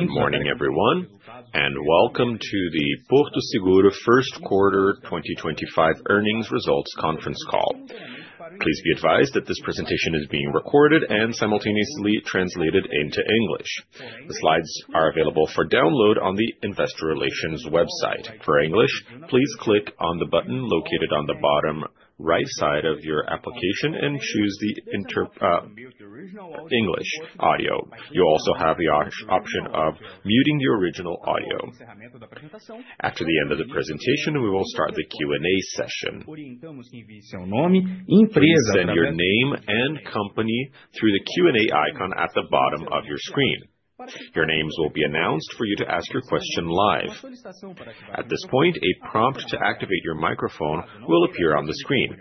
Good morning, everyone, and welcome to the Porto Seguro First Quarter 2025 Earnings Results Conference Call. Please be advised that this presentation is being recorded and simultaneously translated into English. The slides are available for download on the Investor Relations website. For English, please click on the button located on the bottom right side of your application and choose the English audio. You also have the option of muting your original audio. After the end of the presentation, we will start the Q&A session. Seu nome, empresa and your name and company through the Q&A icon at the bottom of your screen. Your names will be announced for you to ask your question live. At this point, a prompt to activate your microphone will appear on the screen.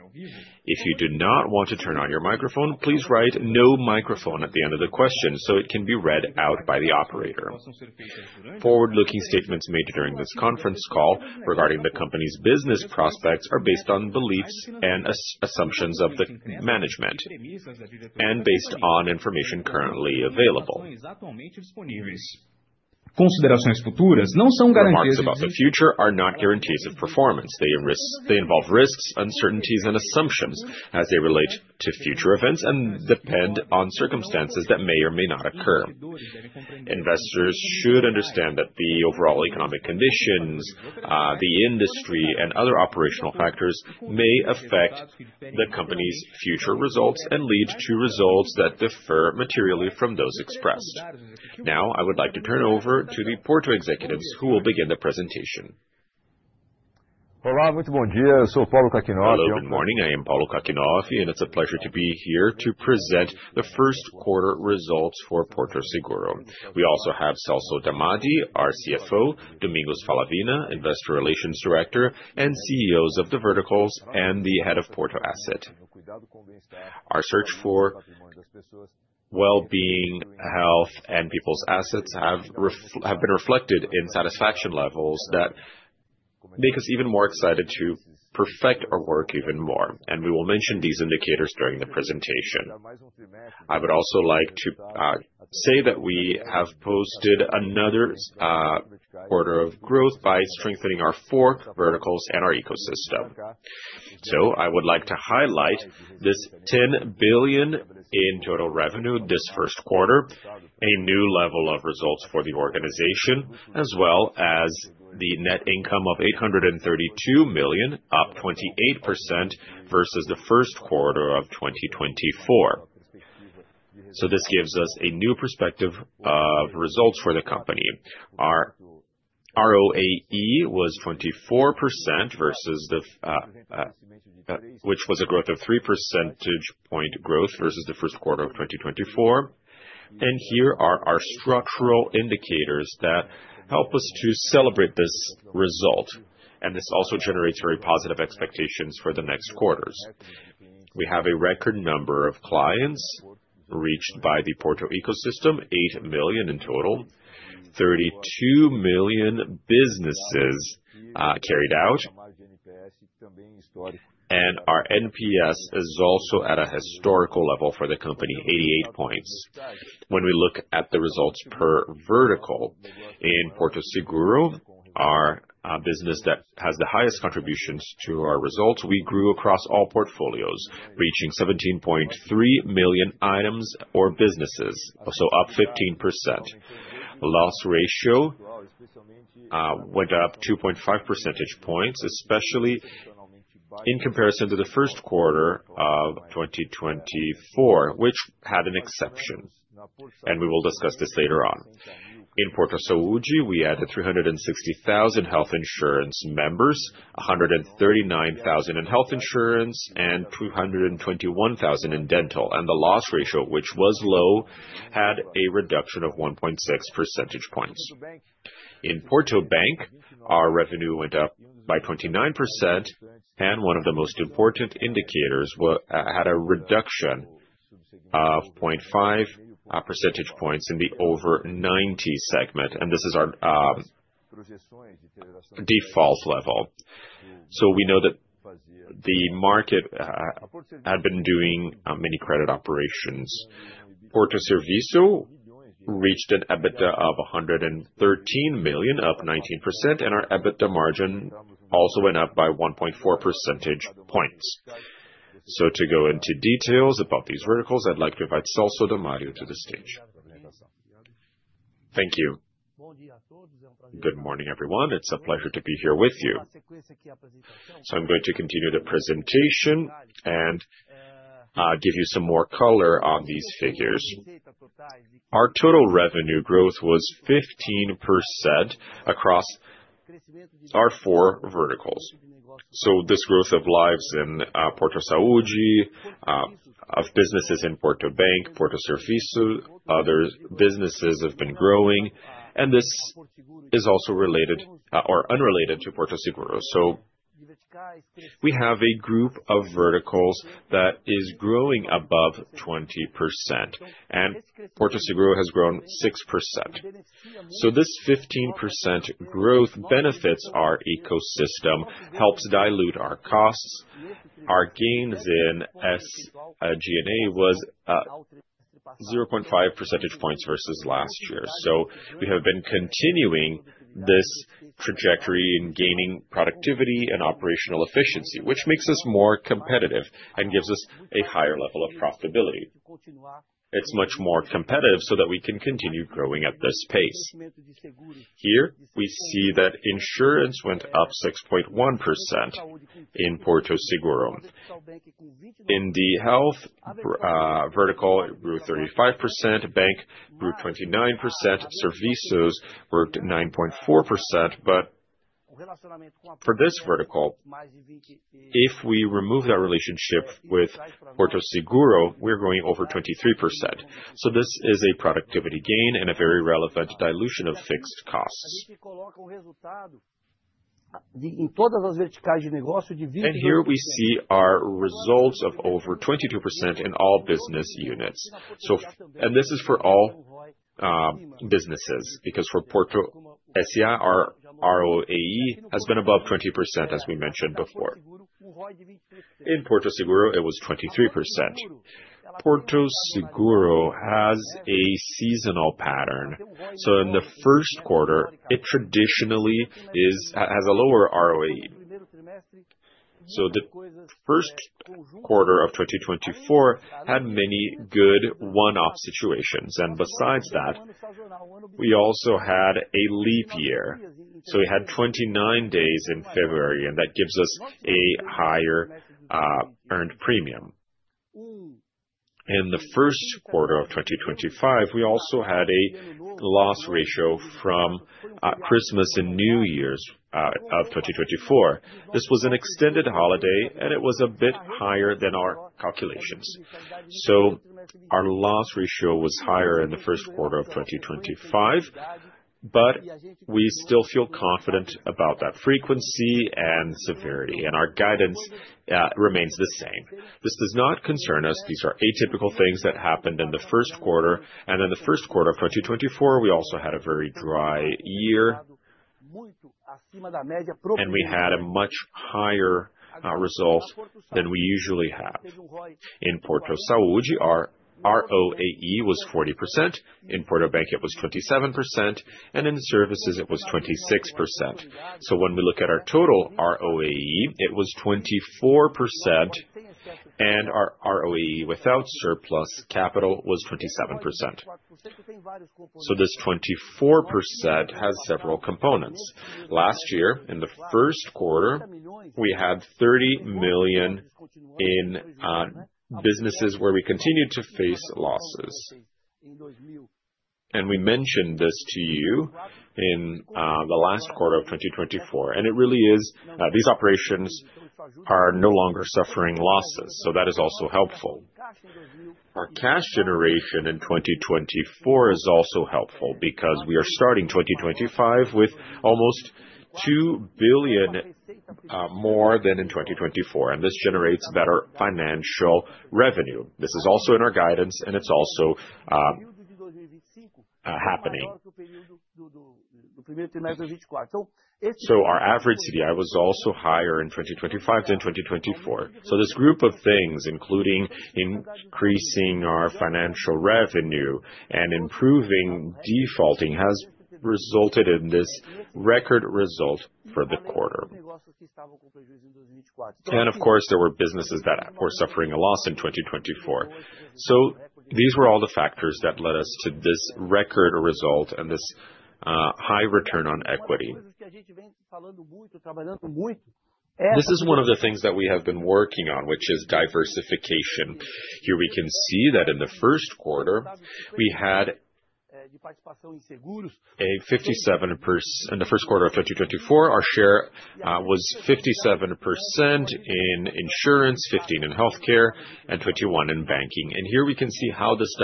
If you do not want to turn on your microphone, please write "No microphone" at the end of the question so it can be read out by the operator. Forward-looking statements made during this conference call regarding the company's business prospects are based on beliefs and assumptions of the management and based on information currently available. Considerações futuras não são garantias. The prospects about the future are not guarantees of performance. They involve risks, uncertainties, and assumptions as they relate to future events and depend on circumstances that may or may not occur. Investors should understand that the overall economic conditions, the industry, and other operational factors may affect the company's future results and lead to results that differ materially from those expressed. Now, I would like to turn over to the Porto executives who will begin the presentation. Olá, muito bom dia. Eu sou o Paulo Kakinoff. Hello, good morning. I am Paulo Kakinoff, and it's a pleasure to be here to present the first quarter results for Porto Seguro. We also have Celso Damadi, our CFO, Domingos Falavina, Investor Relations Director, and CEOs of the verticals and the head of Porto Asset. Our search for well-being, health, and people's assets has been reflected in satisfaction levels that make us even more excited to perfect our work even more, and we will mention these indicators during the presentation. I would also like to say that we have posted another quarter of growth by strengthening our four verticals and our ecosystem. I would like to highlight this 10 billion in total revenue this first quarter, a new level of results for the organization, as well as the net income of 832 million, up 28% versus the first quarter of 2024. This gives us a new perspective of results for the company. Our ROAE was 24%, which was a growth of 3 percentage points versus the first quarter of 2024. Here are our structural indicators that help us to celebrate this result, and this also generates very positive expectations for the next quarters. We have a record number of clients reached by the Porto ecosystem, 8 million in total, 32 million businesses carried out, and our NPS is also at a historical level for the company, 88 points. When we look at the results per vertical in Porto Seguro, our business that has the highest contributions to our results, we grew across all portfolios, reaching 17.3 million items or businesses, so up 15%. Loss ratio went up 2.5 percentage points, especially in comparison to the first quarter of 2024, which had an exception, and we will discuss this later on. In Porto Seguro, we had 360,000 health insurance members, 139,000 in health insurance, and 221,000 in dental, and the loss ratio, which was low, had a reduction of 1.6 percentage points. In Porto Bank, our revenue went up by 29%, and one of the most important indicators had a reduction of 0.5 percentage points in the over 90 segment, and this is our default level. We know that the market had been doing many credit operations. Porto Serviço reached an EBITDA of 113 million, up 19%, and our EBITDA margin also went up by 1.4 percentage points. To go into details about these verticals, I'd like to invite Celso Damadi to the stage. Thank you. Good morning, everyone. It's a pleasure to be here with you. I'm going to continue the presentation and give you some more color on these figures. Our total revenue growth was 15% across our four verticals. This growth of lives in Porto Seguro, of businesses in Porto Bank, Porto Serviço, other businesses have been growing, and this is also related or unrelated to Porto Seguro. We have a group of verticals that is growing above 20%, and Porto Seguro has grown 6%. This 15% growth benefits our ecosystem, helps dilute our costs. Our gains in SG&A was 0.5 percentage points versus last year. We have been continuing this trajectory in gaining productivity and operational efficiency, which makes us more competitive and gives us a higher level of profitability. It's much more competitive so that we can continue growing at this pace. Here, we see that insurance went up 6.1% in Porto Seguro. In the health vertical, it grew 35%, bank grew 29%, Serviços grew 9.4%, but for this vertical, if we remove that relationship with Porto Seguro, we're going over 23%. This is a productivity gain and a very relevant dilution of fixed costs. Here we see our results of over 22% in all business units. This is for all businesses because for Porto SEI, our ROAE has been above 20%, as we mentioned before. In Porto Seguro, it was 23%. Porto Seguro has a seasonal pattern. In the first quarter, it traditionally has a lower ROAE. The first quarter of 2024 had many good one-off situations, and besides that, we also had a leap year. We had 29 days in February, and that gives us a higher earned premium. In the first quarter of 2025, we also had a loss ratio from Christmas and New Year's of 2024. This was an extended holiday, and it was a bit higher than our calculations. Our loss ratio was higher in the first quarter of 2025, but we still feel confident about that frequency and severity, and our guidance remains the same. This does not concern us. These are atypical things that happened in the first quarter, and in the first quarter of 2024, we also had a very dry year, and we had a much higher result than we usually have. In Porto Seguro, our ROAE was 40%. In Porto Bank, it was 27%, and in services, it was 26%. When we look at our total ROAE, it was 24%, and our ROAE without surplus capital was 27%. This 24% has several components. Last year, in the first quarter, we had 30 million in businesses where we continued to face losses. We mentioned this to you in the last quarter of 2024, and it really is these operations are no longer suffering losses, so that is also helpful. Our cash generation in 2024 is also helpful because we are starting 2025 with almost 2 billion more than in 2024, and this generates better financial revenue. This is also in our guidance, and it's also happening. Our average CDI was also higher in 2025 than 2024. This group of things, including increasing our financial revenue and improving defaulting, has resulted in this record result for the quarter. There were businesses that were suffering a loss in 2024. These were all the factors that led us to this record result and this high return on equity. This is one of the things that we have been working on, which is diversification. Here we can see that in the first quarter, we had a 57% in the first quarter of 2024. Our share was 57% in insurance, 15% in healthcare, and 21% in banking. Here we can see how this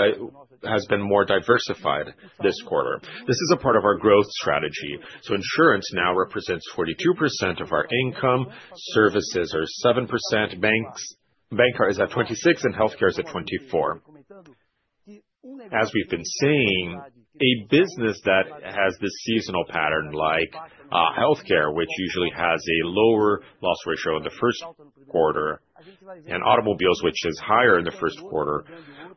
has been more diversified this quarter. This is a part of our growth strategy. Insurance now represents 42% of our income, services are 7%, banks are at 26%, and healthcare is at 24%. As we've been seeing, a business that has this seasonal pattern, like healthcare, which usually has a lower loss ratio in the first quarter, and automobiles, which is higher in the first quarter,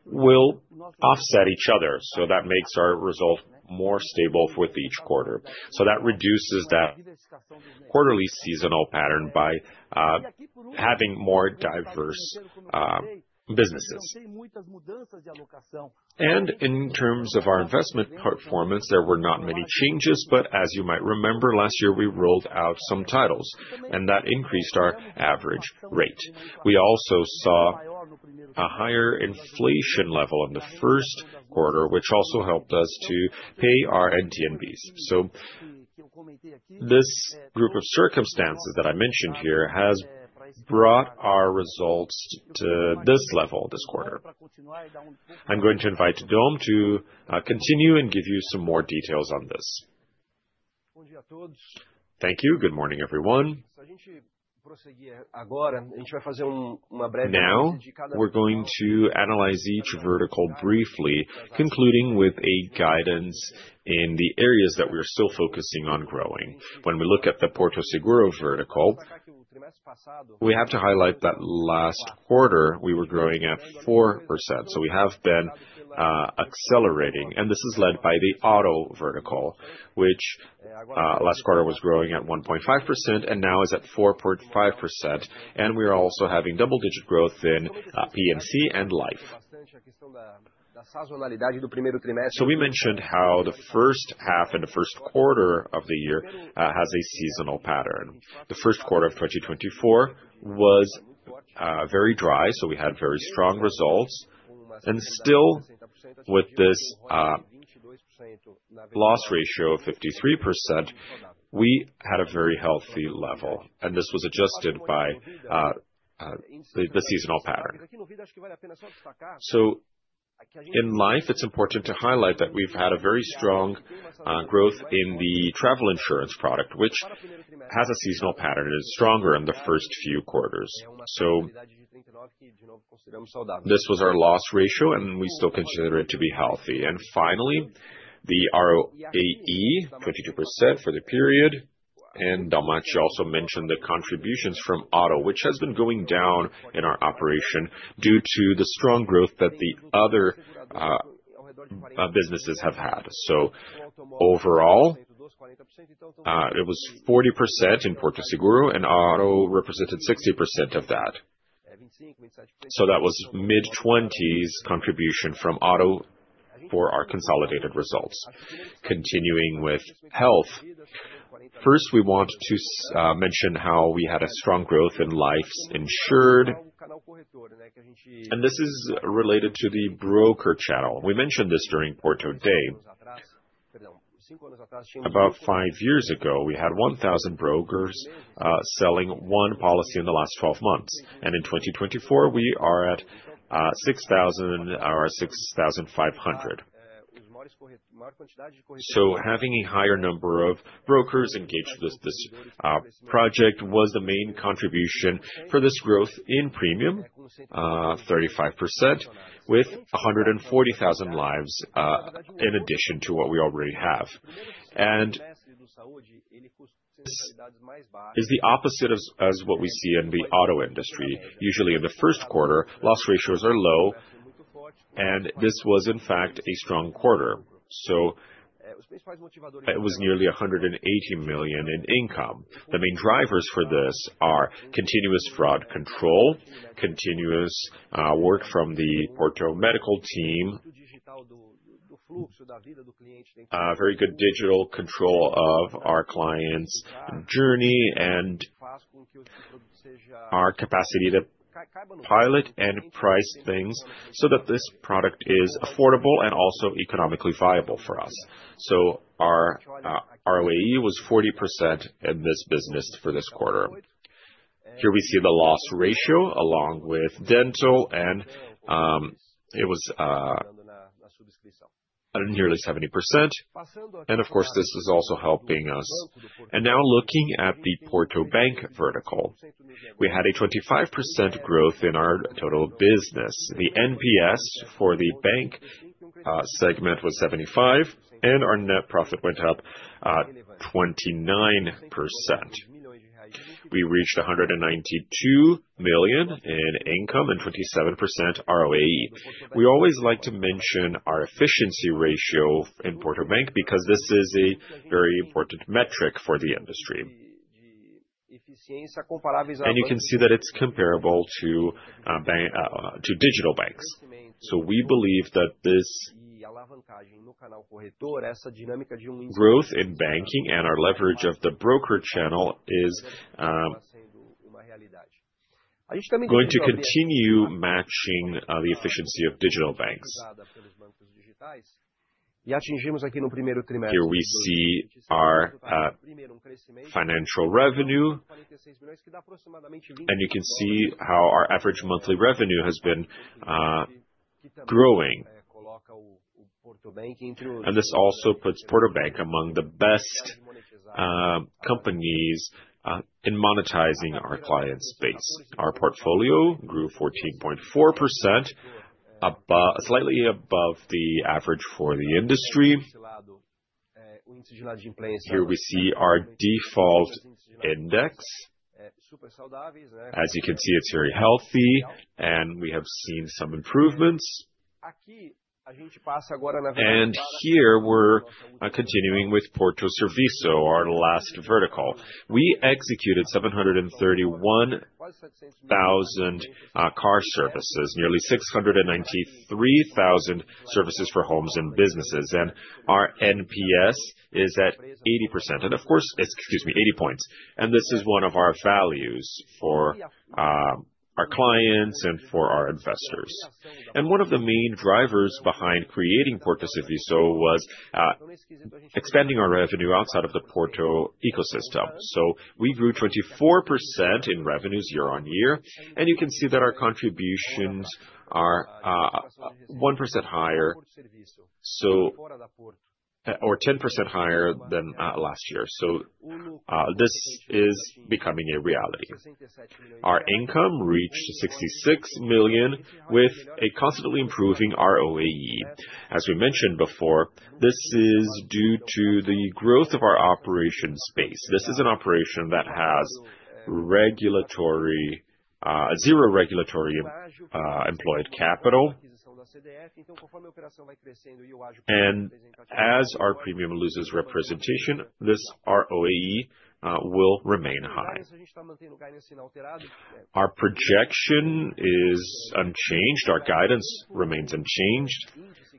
will offset each other. That makes our result more stable with each quarter. That reduces that quarterly seasonal pattern by having more diverse businesses. In terms of our investment performance, there were not many changes, but as you might remember, last year we rolled out some titles, and that increased our average rate. We also saw a higher inflation level in the first quarter, which also helped us to pay our NTNBs. This group of circumstances that I mentioned here has brought our results to this level this quarter. I'm going to invite Dom to continue and give you some more details on this. Thank you. Good morning, everyone. Now we are going to analyze each vertical briefly, concluding with a guidance in the areas that we are still focusing on growing. When we look at the Porto Seguro vertical, we have to highlight that last quarter we were growing at 4%. We have been accelerating, and this is led by the auto vertical, which last quarter was growing at 1.5% and now is at 4.5%, and we are also having double-digit growth in P&C and life. We mentioned how the first half and the first quarter of the year has a seasonal pattern. The first quarter of 2024 was very dry, so we had very strong results, and still with this loss ratio of 53%, we had a very healthy level, and this was adjusted by the seasonal pattern. In life, it is important to highlight that we have had very strong growth in the travel insurance product, which has a seasonal pattern and is stronger in the first few quarters. This was our loss ratio, and we still consider it to be healthy. Finally, the ROAE, 22% for the period, and Dom, she also mentioned the contributions from auto, which has been going down in our operation due to the strong growth that the other businesses have had. Overall, it was 40% in Porto Seguro, and auto represented 60% of that. That was mid-20s contribution from auto for our consolidated results. Continuing with health, first we want to mention how we had a strong growth in lives insured, and this is related to the broker channel. We mentioned this during Porto Day. About five years ago, we had 1,000 brokers selling one policy in the last 12 months, and in 2024, we are at 6,000 or 6,500. Having a higher number of brokers engaged with this project was the main contribution for this growth in premium, 35%, with 140,000 lives in addition to what we already have. This is the opposite of what we see in the auto industry. Usually, in the first quarter, loss ratios are low, and this was, in fact, a strong quarter. It was nearly 180 million in income. The main drivers for this are continuous fraud control, continuous work from the Porto medical team, very good digital control of our clients' journey, and our capacity to pilot and price things so that this product is affordable and also economically viable for us. Our ROAE was 40% in this business for this quarter. Here we see the loss ratio along with dental, and it was nearly 70%. Of course, this is also helping us. Now looking at the Porto Bank vertical, we had a 25% growth in our total business. The NPS for the bank segment was 75, and our net profit went up 29%. We reached 192 million in income and 27% ROAE. We always like to mention our efficiency ratio in Porto Bank because this is a very important metric for the industry. You can see that it is comparable to digital banks. We believe that this growth in banking and our leverage of the broker channel is going to continue matching the efficiency of digital banks. Here we see our financial revenue, and you can see how our average monthly revenue has been growing. This also puts Porto Bank among the best companies in monetizing our client's base. Our portfolio grew 14.4%, slightly above the average for the industry. Here we see our default index. As you can see, it is very healthy, and we have seen some improvements. Here we are continuing with Porto Serviço, our last vertical. We executed 731,000 car services, nearly 693,000 services for homes and businesses, and our NPS is at 80%, excuse me, 80 points. This is one of our values for our clients and for our investors. One of the main drivers behind creating Porto Serviço was expanding our revenue outside of the Porto ecosystem. We grew 24% in revenues year-on-year, and you can see that our contributions are 1% higher or 10% higher than last year. This is becoming a reality. Our income reached 66 million with a constantly improving ROAE. As we mentioned before, this is due to the growth of our operation space. This is an operation that has zero regulatory employed capital, and as our premium loses representation, this ROAE will remain high. Our projection is unchanged. Our guidance remains unchanged.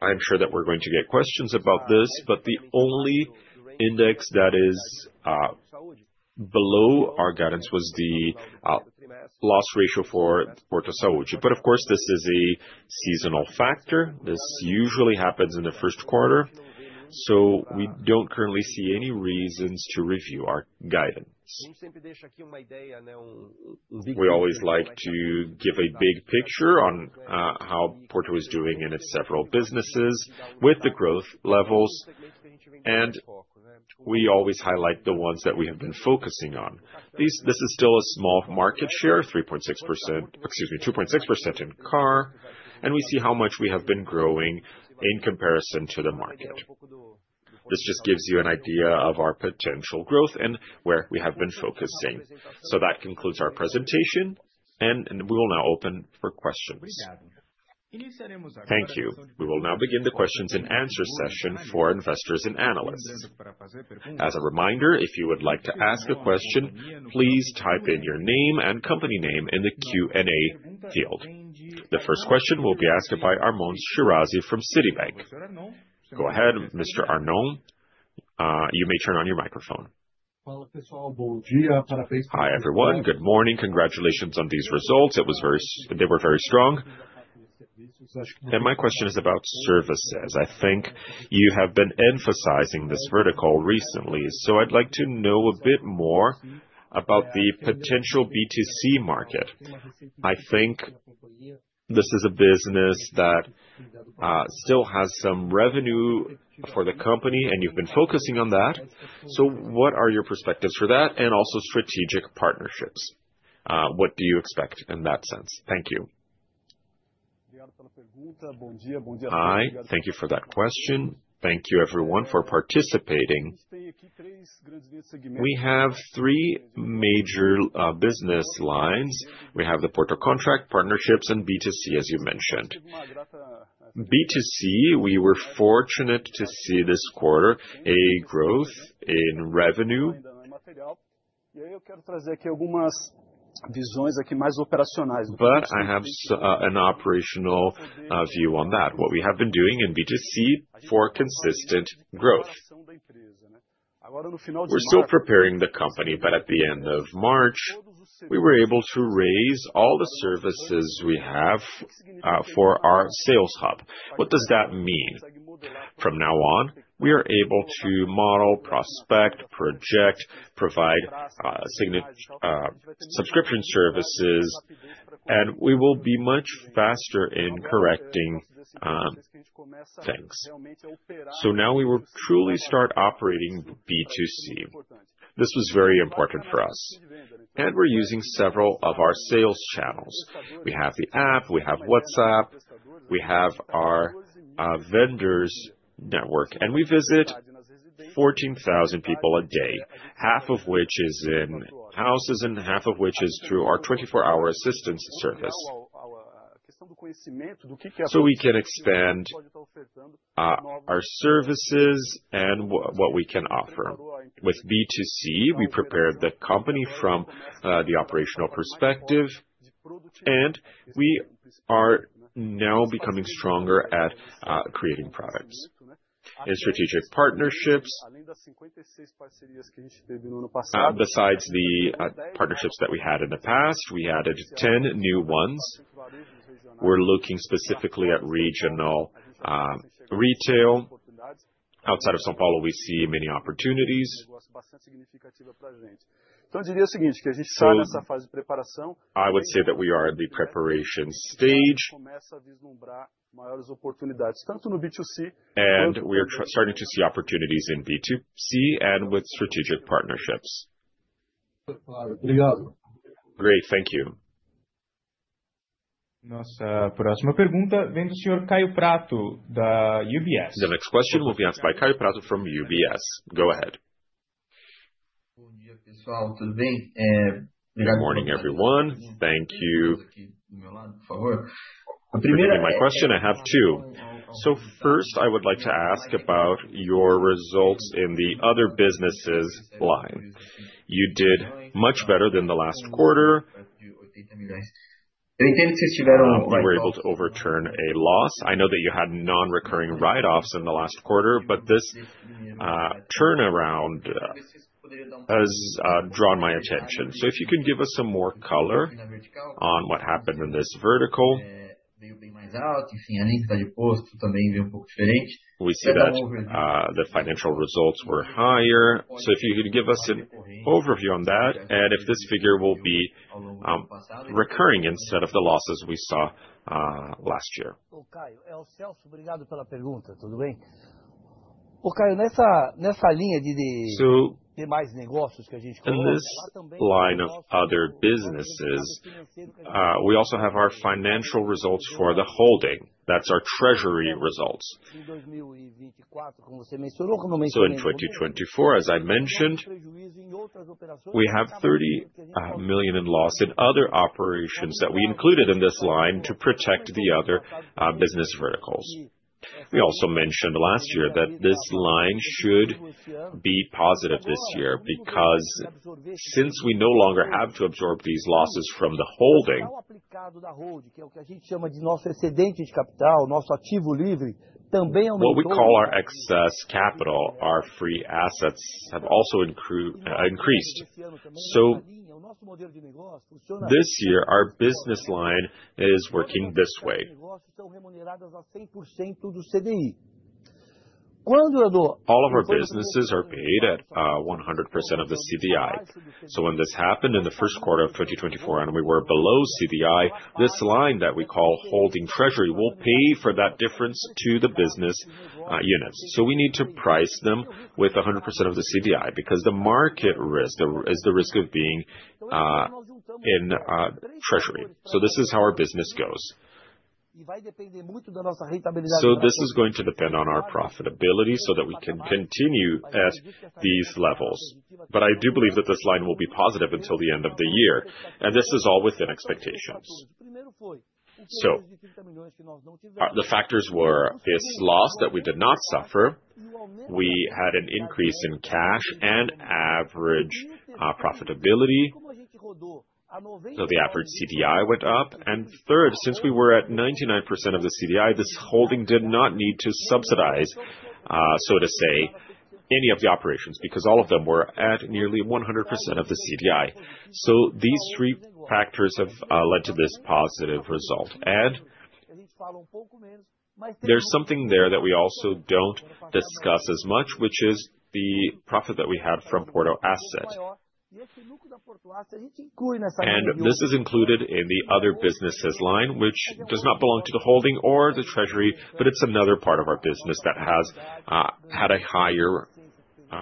I'm sure that we're going to get questions about this, but the only index that is below our guidance was the loss ratio for Porto Serviço. Of course, this is a seasonal factor. This usually happens in the first quarter, so we do not currently see any reasons to review our guidance. We always like to give a big picture on how Porto is doing in its several businesses with the growth levels, and we always highlight the ones that we have been focusing on. This is still a small market share, 3.6%, excuse me, 2.6% in car, and we see how much we have been growing in comparison to the market. This just gives you an idea of our potential growth and where we have been focusing. That concludes our presentation, and we will now open for questions. Thank you. We will now begin the questions and answers session for investors and analysts. As a reminder, if you would like to ask a question, please type in your name and company name in the Q&A field. The first question will be asked by Arnon Shirazi from Citibank. Go ahead, Mr. Arnon. You may turn on your microphone. Hi everyone, good morning. Congratulations on these results. They were very strong. My question is about services. I think you have been emphasizing this vertical recently, so I'd like to know a bit more about the potential B2C market. I think this is a business that still has some revenue for the company, and you've been focusing on that. What are your perspectives for that and also strategic partnerships? What do you expect in that sense? Thank you. Hi, thank you for that question. Thank you everyone for participating. We have three major business lines. We have the Porto contract, partnerships, and B2C, as you mentioned. B2C, we were fortunate to see this quarter a growth in revenue, but I have an operational view on that. What we have been doing in B2C for consistent growth. We're still preparing the company, but at the end of March, we were able to raise all the services we have for our sales hub. What does that mean? From now on, we are able to model, prospect, project, provide subscription services, and we will be much faster in correcting things. Now we will truly start operating B2C. This was very important for us, and we're using several of our sales channels. We have the app, we have WhatsApp, we have our vendors' network, and we visit 14,000 people a day, half of which is in houses, and half of which is through our 24-hour assistance service. We can expand our services and what we can offer. With B2C, we prepared the company from the operational perspective, and we are now becoming stronger at creating products and strategic partnerships. Besides the partnerships that we had in the past, we added 10 new ones. We are looking specifically at regional retail. Outside of São Paulo, we see many opportunities. I would say that we are in the preparation stage and we are starting to see opportunities in B2C and with strategic partnerships. Great, thank you. Nossa próxima pergunta vem do senhor Kaio Prato da UBS. The next question will be answered by Kaio Prato from UBS. Go ahead. Good morning, everyone. Thank you. Again, my question, I have two. First, I would like to ask about your results in the other businesses line. You did much better than the last quarter. You were able to overturn a loss. I know that you had non-recurring write-offs in the last quarter, but this turnaround has drawn my attention. If you can give us some more color on what happened in this vertical. We see that the financial results were higher. If you could give us an overview on that and if this figure will be recurring instead of the losses we saw last year. Kaio, nessa linha de mais negócios que a gente conhece, line of other businesses, we also have our financial results for the holding. That is our treasury results. In 2024, as I mentioned, we have 30 million in loss in other operations that we included in this line to protect the other business verticals. We also mentioned last year that this line should be positive this year because since we no longer have to absorb these losses from the holding. What we call our excess capital, our free assets have also increased. This year, our business line is working this way. All of our businesses are paid at 100% of the CDI. When this happened in the first quarter of 2024 and we were below CDI, this line that we call holding treasury will pay for that difference to the business units. We need to price them with 100% of the CDI because the market risk is the risk of being in treasury. This is how our business goes. This is going to depend on our profitability so that we can continue at these levels. I do believe that this line will be positive until the end of the year, and this is all within expectations. The factors were this loss that we did not suffer. We had an increase in cash and average profitability. The average CDI went up. Third, since we were at 99% of the CDI, this holding did not need to subsidize, so to say, any of the operations because all of them were at nearly 100% of the CDI. These three factors have led to this positive result. There is something there that we also do not discuss as much, which is the profit that we had from Porto Asset. This is included in the other businesses line, which does not belong to the holding or the treasury, but it is another part of our business that has had a higher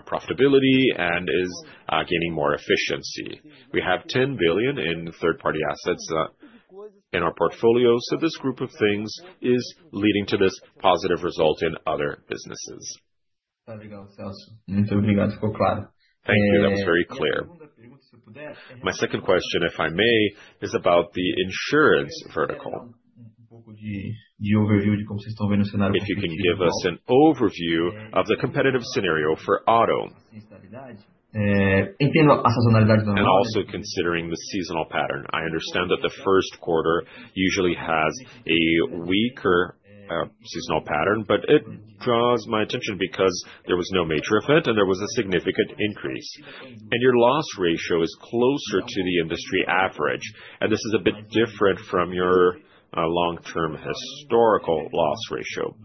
profitability and is gaining more efficiency. We have 10 billion in third-party assets in our portfolio. This group of things is leading to this positive result in other businesses. Thank you. That was very clear. My second question, if I may, is about the insurance vertical. If you can give us an overview of the competitive scenario for auto. Also, considering the seasonal pattern. I understand that the first quarter usually has a weaker seasonal pattern, but it draws my attention because there was no major event and there was a significant increase. Your loss ratio is closer to the industry average, and this is a bit different from your long-term historical loss ratio.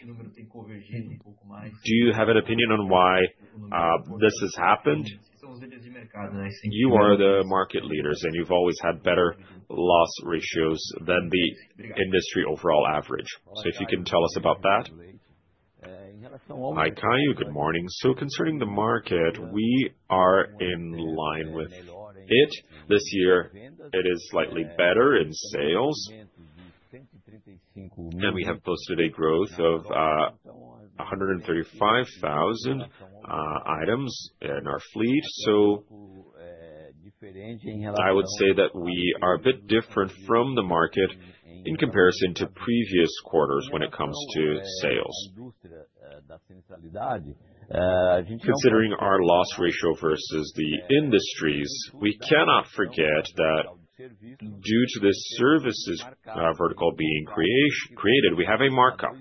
Do you have an opinion on why this has happened? You are the market leaders, and you have always had better loss ratios than the industry overall average. If you can tell us about that. Hi, Kaio. Good morning. Concerning the market, we are in line with it. This year, it is slightly better in sales. We have posted a growth of 135,000 items in our fleet. I would say that we are a bit different from the market in comparison to previous quarters when it comes to sales. Considering our loss ratio versus the industry's, we cannot forget that due to this services vertical being created, we have a markup,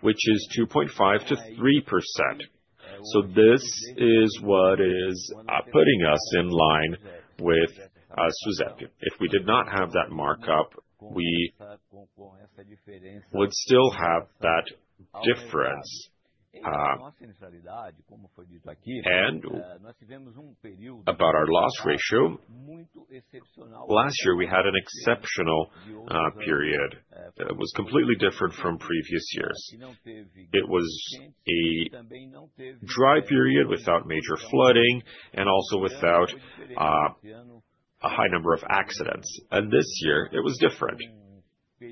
which is 2.5-3%. This is what is putting us in line with SUSEP. If we did not have that markup, we would still have that difference. About our loss ratio, last year we had an exceptional period. It was completely different from previous years. It was a dry period without major flooding and also without a high number of accidents. This year, it was different. This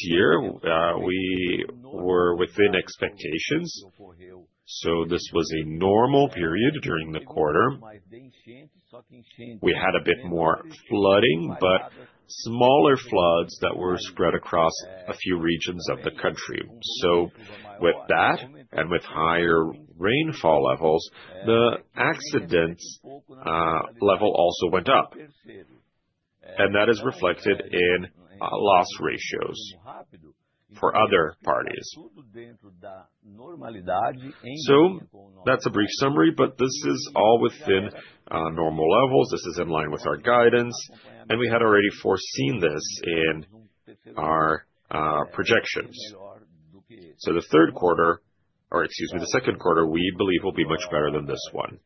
year, we were within expectations. This was a normal period during the quarter. We had a bit more flooding, but smaller floods that were spread across a few regions of the country. With that and with higher rainfall levels, the accident level also went up, and that is reflected in loss ratios for other parties. That is a brief summary, but this is all within normal levels. This is in line with our guidance, and we had already foreseen this in our projections. The third quarter, or excuse me, the second quarter, we believe will be much better than this one.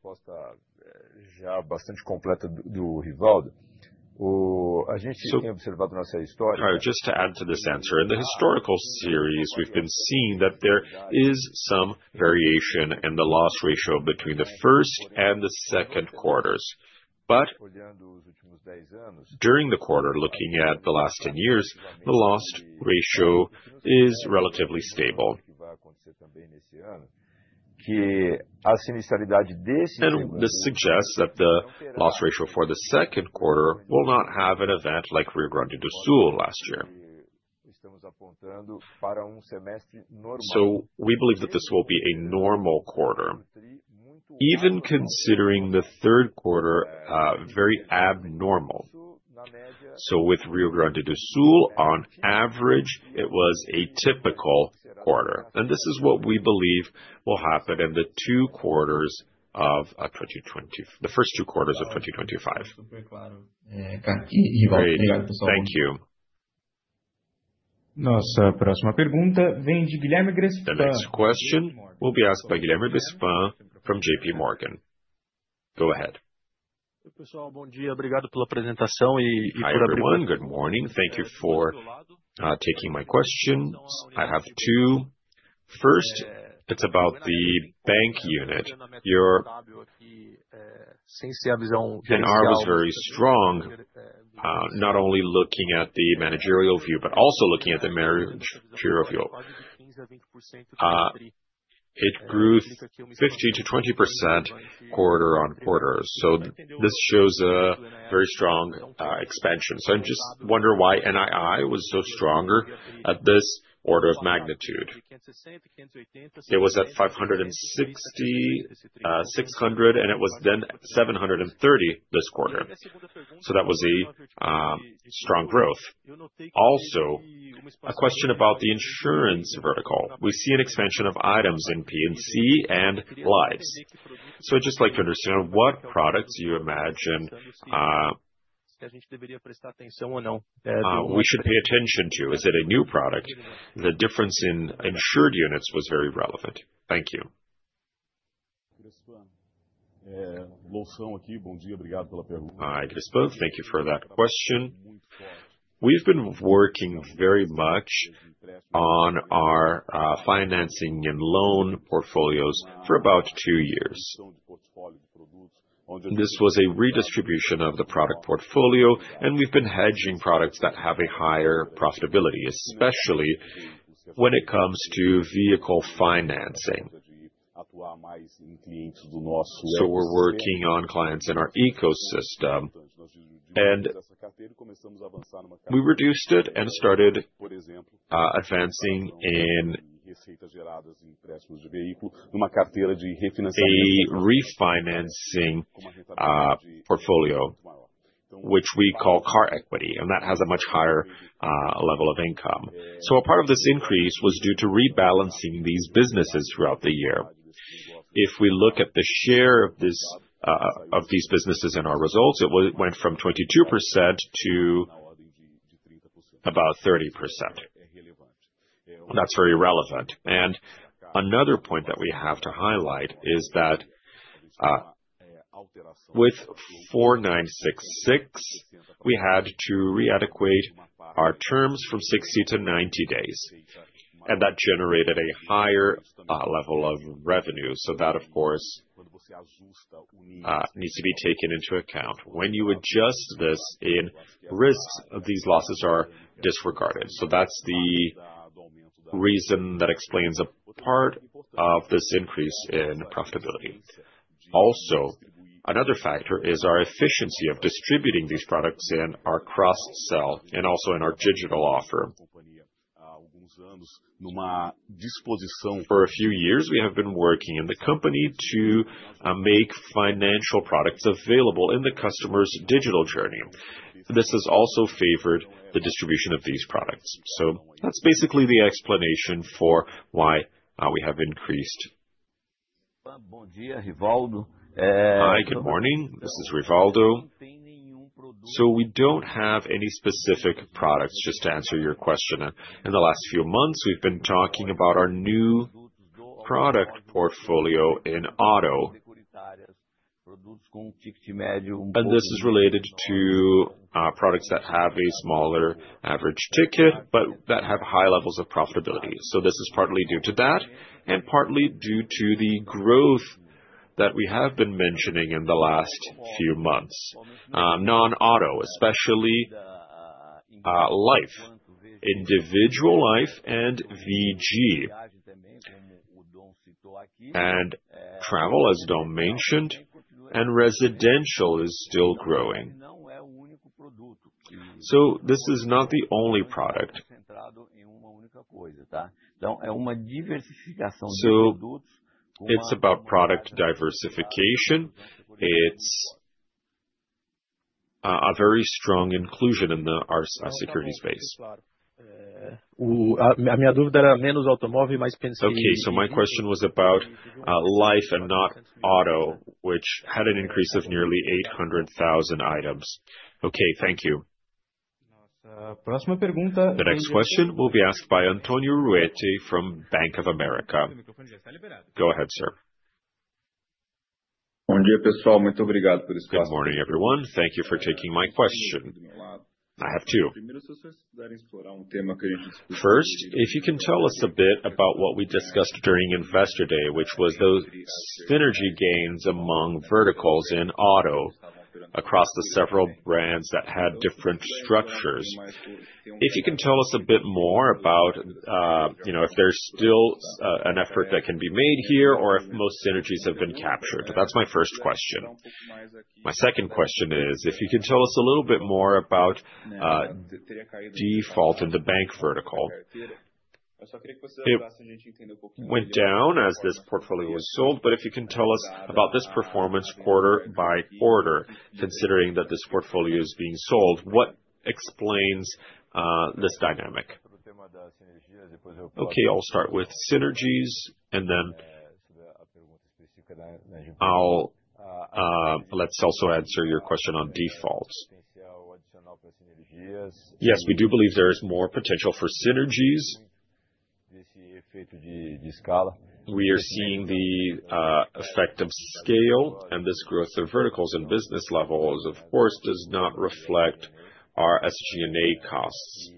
Just to add to this answer, in the historical series, we've been seeing that there is some variation in the loss ratio between the first and the second quarters. During the quarter, looking at the last 10 years, the loss ratio is relatively stable. This suggests that the loss ratio for the second quarter will not have an event like Rio Grande do Sul last year. We believe that this will be a normal quarter, even considering the third quarter very abnormal. With Rio Grande do Sul, on average, it was a typical quarter. This is what we believe will happen in the first two quarters of 2025. Thank you. Nossa próxima pergunta vem de Guilherme Grespan. The next question will be asked by Guilherme Grespan from JP Morgan. Go ahead. Pessoal, bom dia, obrigado pela apresentação e por abrir o microfone. Good morning. Thank you for taking my questions. I have two. First, it's about the bank unit. Yours was very strong, not only looking at the managerial view, but also looking at the managerial view. It grew 15%-20% quarter on quarter. This shows a very strong expansion. I just wonder why NII was so strong at this order of magnitude. It was at 560 million, 600 million, and it was then 730 million this quarter. That was a strong growth. Also, a question about the insurance vertical. We see an expansion of items in P&C and lives. I'd just like to understand what products you imagine we should pay attention to. Is it a new product? The difference in insured units was very relevant. Thank you. Thank you for that question. We've been working very much on our financing and loan portfolios for about two years. This was a redistribution of the product portfolio, and we've been hedging products that have a higher profitability, especially when it comes to vehicle financing. So we're working on clients in our ecosystem, and we reduced it and started advancing in a refinancing portfolio, which we call car equity, and that has a much higher level of income. So a part of this increase was due to rebalancing these businesses throughout the year. If we look at the share of these businesses in our results, it went from 22% to about 30%. That's very relevant. Another point that we have to highlight is that with 4966, we had to readequate our terms from 60 to 90 days, and that generated a higher level of revenue. That, of course, needs to be taken into account. When you adjust this in risks, these losses are disregarded. That's the reason that explains a part of this increase in profitability. Also, another factor is our efficiency of distributing these products in our cross-sell and also in our digital offer. For a few years, we have been working in the company to make financial products available in the customer's digital journey. This has also favored the distribution of these products. That's basically the explanation for why we have increased. Hi, good morning. This is Rivaldo. We don't have any specific products. Just to answer your question, in the last few months, we've been talking about our new product portfolio in auto. This is related to products that have a smaller average ticket, but that have high levels of profitability. This is partly due to that and partly due to the growth that we have been mentioning in the last few months. Non-auto, especially life, individual life and VG, and travel as Dawn mentioned, and residential is still growing. This is not the only product. It is about product diversification. It is a very strong inclusion in our security space. Okay, my question was about life and not auto, which had an increase of nearly 800,000 items. Okay, thank you. The next question will be asked by Antonio Ruette from Bank of America. Go ahead, sir. Bom dia, pessoal, muito obrigado por esse papel. Good morning, everyone. Thank you for taking my question. I have two. First, if you can tell us a bit about what we discussed during Investor Day, which was those synergy gains among verticals in auto across the several brands that had different structures. If you can tell us a bit more about if there's still an effort that can be made here or if most synergies have been captured. That's my first question. My second question is, if you can tell us a little bit more about default in the bank vertical. It went down as this portfolio was sold, but if you can tell us about this performance quarter by quarter, considering that this portfolio is being sold, what explains this dynamic? Okay, I'll start with synergies and then I'll also answer your question on defaults. Yes, we do believe there is more potential for synergies. We are seeing the effect of scale and this growth of verticals and business levels, of course, does not reflect our SG&A costs.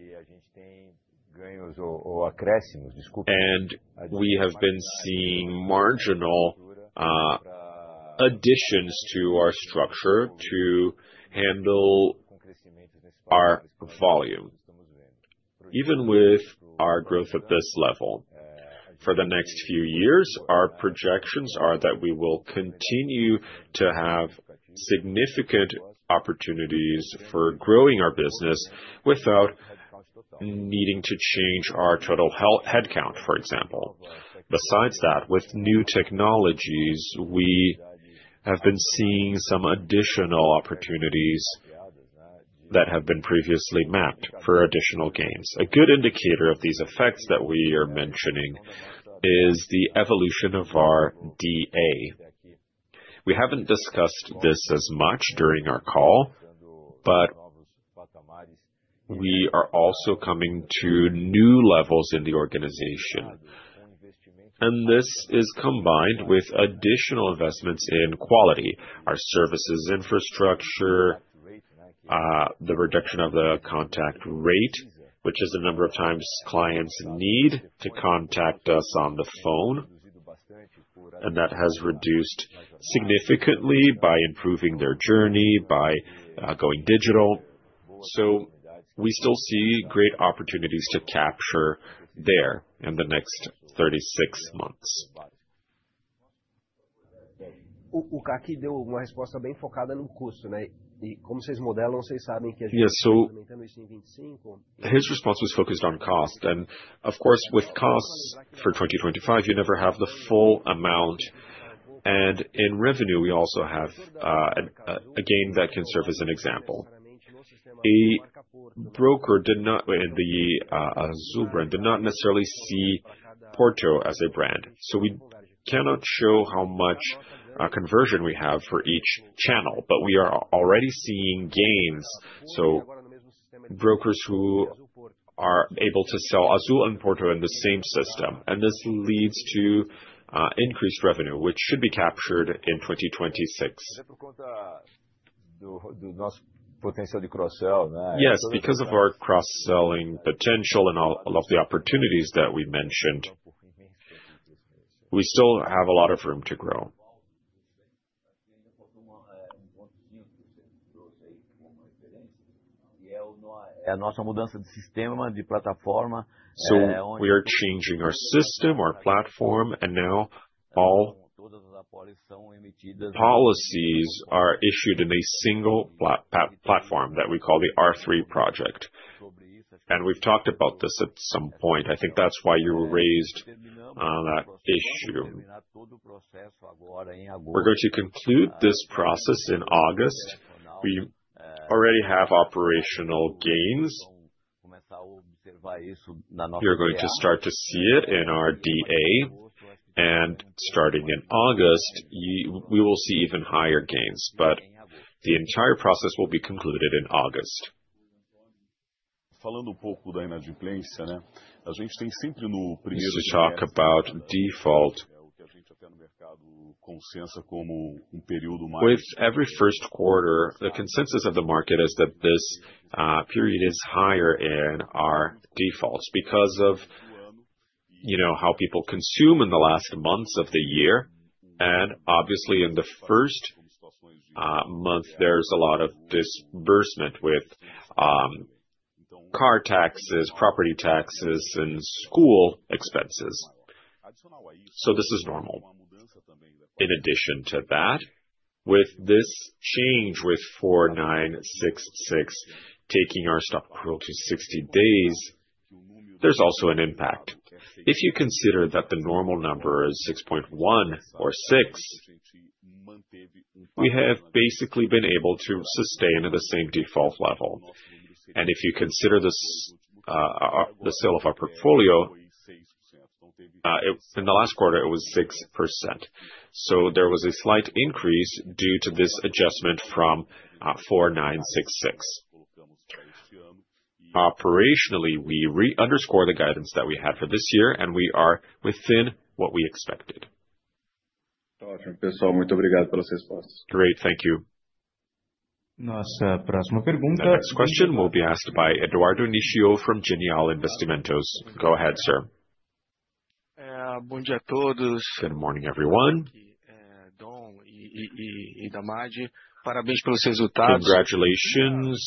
We have been seeing marginal additions to our structure to handle our volume. Even with our growth at this level, for the next few years, our projections are that we will continue to have significant opportunities for growing our business without needing to change our total headcount, for example. Besides that, with new technologies, we have been seeing some additional opportunities that have been previously mapped for additional gains. A good indicator of these effects that we are mentioning is the evolution of our DA. We have not discussed this as much during our call, but we are also coming to new levels in the organization. This is combined with additional investments in quality, our services infrastructure, the reduction of the contact rate, which is the number of times clients need to contact us on the phone. That has reduced significantly by improving their journey, by going digital. We still see great opportunities to capture there in the next 36 months. O Caqui gave a response very focused on cost. And as you model, you know that we are implementing this in 2025. His response was focused on cost. Of course, with costs for 2025, you never have the full amount. In revenue, we also have a gain that can serve as an example. A broker in the Azul brand did not necessarily see Porto as a brand. We cannot show how much conversion we have for each channel, but we are already seeing gains. Brokers who are able to sell Azul and Porto in the same system. This leads to increased revenue, which should be captured in 2026. Yes, because of our cross-selling potential and all of the opportunities that we mentioned, we still have a lot of room to grow. We are changing our system, our platform, and now all policies are issued in a single platform that we call the R3 project. We have talked about this at some point. I think that's why you raised that issue. We are going to conclude this process in August. We already have operational gains. You are going to start to see it in our DA. Starting in August, we will see even higher gains. The entire process will be concluded in August. We used to talk about default with every first quarter. The consensus of the market is that this period is higher in our defaults because of how people consume in the last months of the year. Obviously, in the first month, there is a lot of disbursement with car taxes, property taxes, and school expenses. This is normal. In addition to that, with this change with 4966 taking our stock portfolio to 60 days, there's also an impact. If you consider that the normal number is 6.1 or 6, we have basically been able to sustain at the same default level. If you consider the sale of our portfolio, in the last quarter, it was 6%. There was a slight increase due to this adjustment from 4966. Operationally, we re-underscore the guidance that we had for this year, and we are within what we expected. Pessoal, muito obrigado pelas respostas. Great, thank you. Nossa próxima pergunta. The next question will be asked by Eduardo Nishio from Genial Investimentos. Go ahead, sir. Bom dia a todos. Good morning, everyone. Parabéns pelos resultados. Congratulations,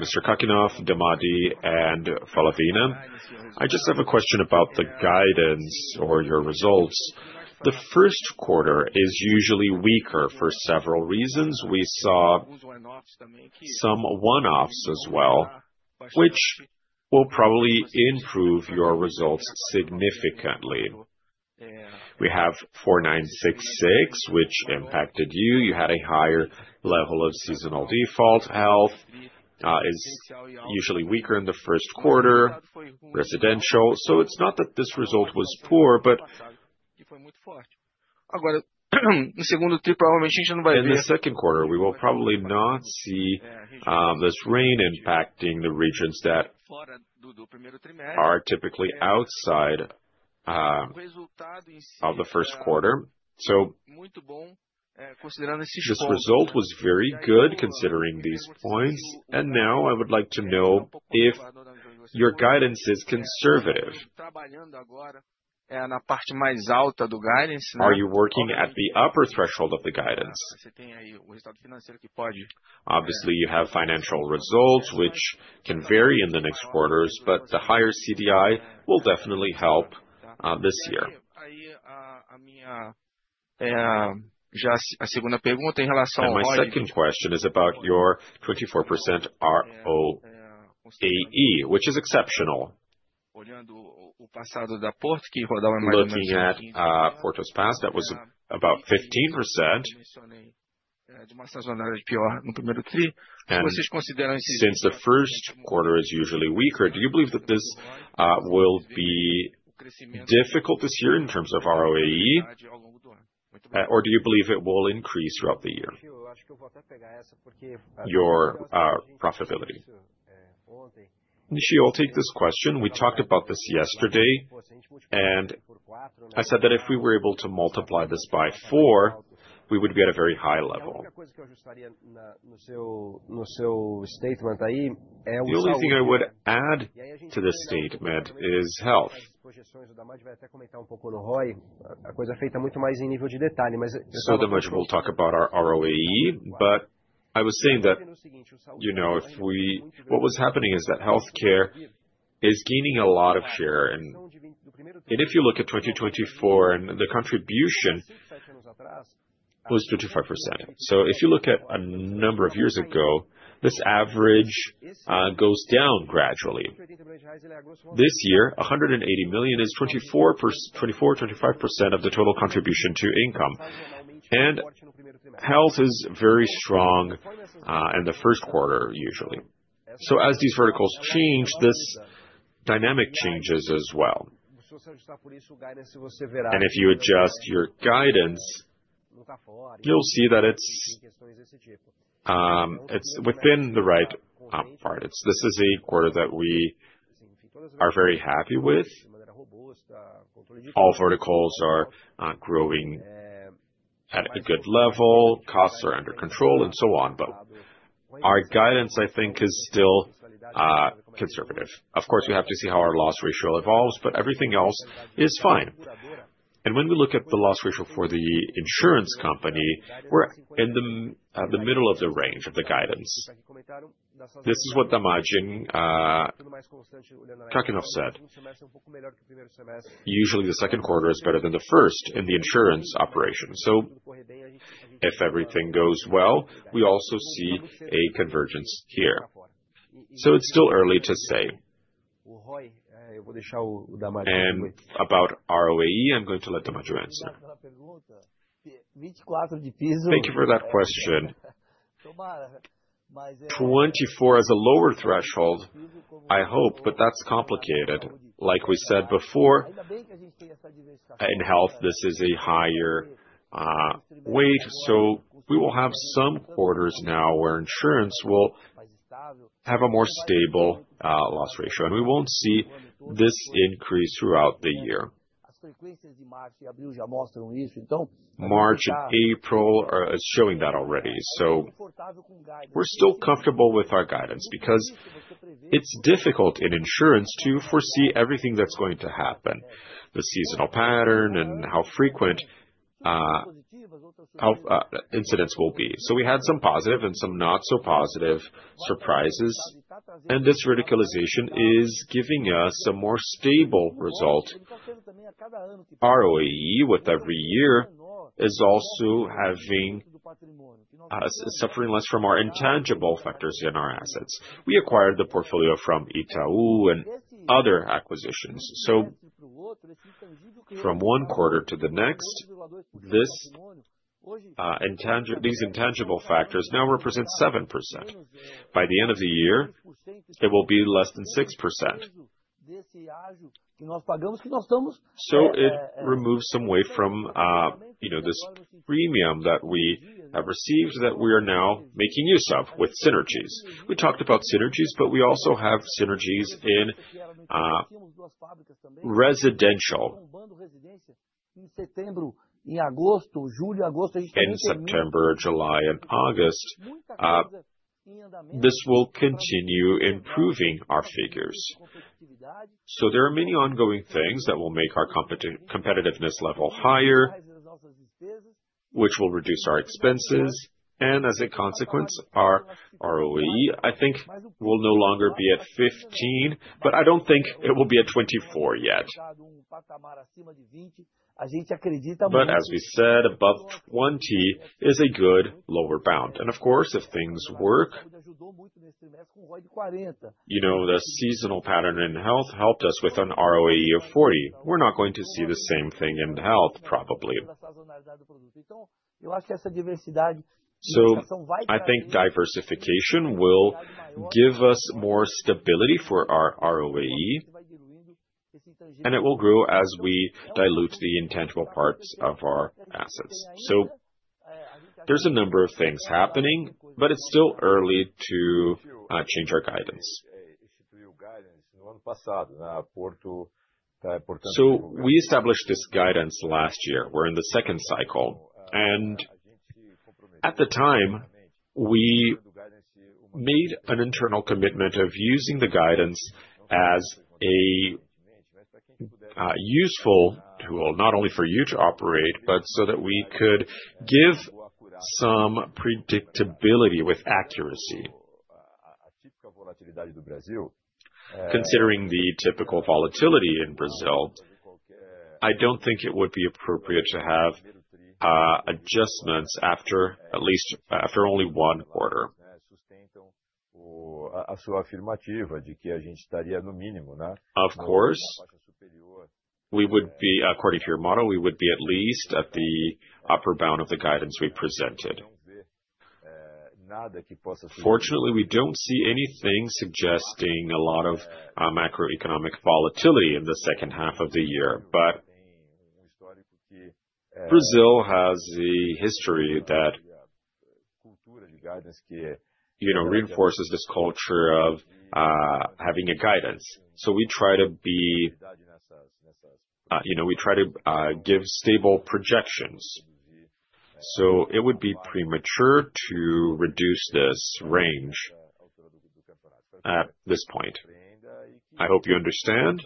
Mr. Kakinoff, Damadi, and Fala Vina. I just have a question about the guidance or your results. The first quarter is usually weaker for several reasons. We saw some one-offs as well, which will probably improve your results significantly. We have 4,966, which impacted you. You had a higher level of seasonal default. Health is usually weaker in the first quarter, residential. It is not that this result was poor, but in the second quarter, we will probably not see this rain impacting the regions that are typically outside of the first quarter. This result was very good considering these points. I would like to know if your guidance is conservative. Are you working at the upper threshold of the guidance? Obviously, you have financial results, which can vary in the next quarters, but the higher CDI will definitely help this year. A minha segunda pergunta em relação ao R2. My second question is about your 24% ROAE, which is exceptional. Looking at Porto's past, that was about 15%. Since the first quarter is usually weaker, do you believe that this will be difficult this year in terms of ROAE, or do you believe it will increase throughout the year? Your profitability. Nishio, I'll take this question. We talked about this yesterday, and I said that if we were able to multiply this by four, we would be at a very high level. The only thing I would add to this statement is health. So Damadi, we'll talk about our ROAE, but I was saying that, you know, if we... What was happening is that health care is gaining a lot of share. And if you look at 2024, the contribution was 25%. So if you look at a number of years ago, this average goes down gradually. This year, 180 million is 24-25% of the total contribution to income. Health is very strong in the first quarter, usually. As these verticals change, this dynamic changes as well. If you adjust your guidance, you'll see that it's within the right part. This is a quarter that we are very happy with. All verticals are growing at a good level, costs are under control, and so on. Our guidance, I think, is still conservative. Of course, we have to see how our loss ratio evolves, but everything else is fine. When we look at the loss ratio for the insurance company, we're in the middle of the range of the guidance. This is what margin, Kakinoff said. Usually, the second quarter is better than the first in the insurance operation. If everything goes well, we also see a convergence here. It's still early to say. About ROAE, I'm going to let Damadi answer. Thank you for that question. Twenty-four as a lower threshold, I hope, but that's complicated. Like we said before, in health, this is a higher weight. We will have some quarters now where insurance will have a more stable loss ratio. We will not see this increase throughout the year. March and April are showing that already. We are still comfortable with our guidance because it is difficult in insurance to foresee everything that is going to happen, the seasonal pattern, and how frequent incidents will be. We had some positive and some not-so-positive surprises. This verticalization is giving us a more stable result. ROAE, with every year, is also suffering less from our intangible factors in our assets. We acquired the portfolio from Itaú and other acquisitions. From one quarter to the next, these intangible factors now represent 7%. By the end of the year, it will be less than 6%. It removes some weight from this premium that we have received that we are now making use of with synergies. We talked about synergies, but we also have synergies in residential. In September, July, August. In September, July, and August, this will continue improving our figures. There are many ongoing things that will make our competitiveness level higher, which will reduce our expenses. As a consequence, our ROAE, I think, will no longer be at 15, but I do not think it will be at 24 yet. As we said, above 20 is a good lower bound. Of course, if things work, you know, the seasonal pattern in health helped us with an ROAE of 40. We are not going to see the same thing in health, probably. I think diversification will give us more stability for our ROAE, and it will grow as we dilute the intangible parts of our assets. There is a number of things happening, but it is still early to change our guidance. We established this guidance last year. We are in the second cycle. At the time, we made an internal commitment of using the guidance as a useful tool, not only for you to operate, but so that we could give some predictability with accuracy. Considering the typical volatility in Brazil, I do not think it would be appropriate to have adjustments after only one quarter. Of course, according to your model, we would be at least at the upper bound of the guidance we presented. Fortunately, we do not see anything suggesting a lot of macroeconomic volatility in the second half of the year. Brazil has a history that reinforces this culture of having a guidance. We try to be—we try to give stable projections. It would be premature to reduce this range at this point. I hope you understand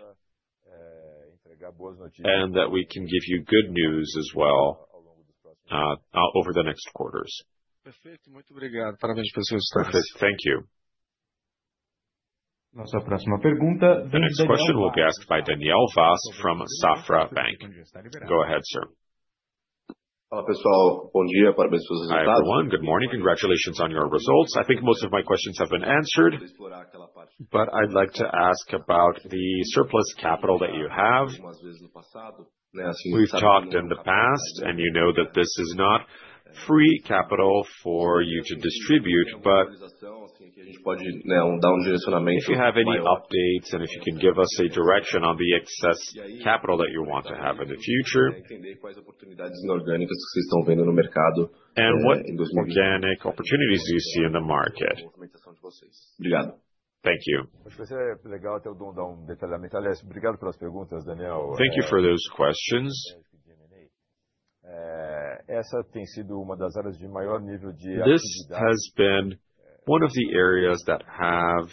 and that we can give you good news as well over the next quarters. Next question will be asked by Daniel Vaz from Safra Bank. Go ahead, sir. Olá, pessoal. Bom dia, parabéns pelos resultados. Everyone, good morning. Congratulations on your results. I think most of my questions have been answered, but I'd like to ask about the surplus capital that you have. We've talked in the past, and you know that this is not free capital for you to distribute, but if you have any updates and if you can give us a direction on the excess capital that you want to have in the future. What organic opportunities do you see in the market? Obrigado. Thank you. Acho que vai ser legal até o Dom dar detalhamento. Aliás, obrigado pelas perguntas, Daniel. Thank you for those questions. Essa tem sido uma das áreas de maior nível de atividade. This has been one of the areas that have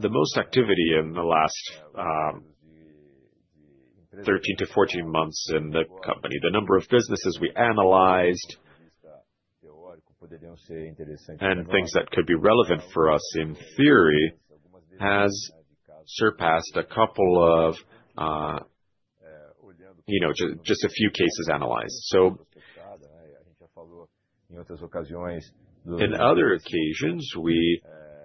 the most activity in the last 13 to 14 months in the company. The number of businesses we analyzed and things that could be relevant for us in theory has surpassed a couple of, you know, just a few cases analyzed. In other occasions, we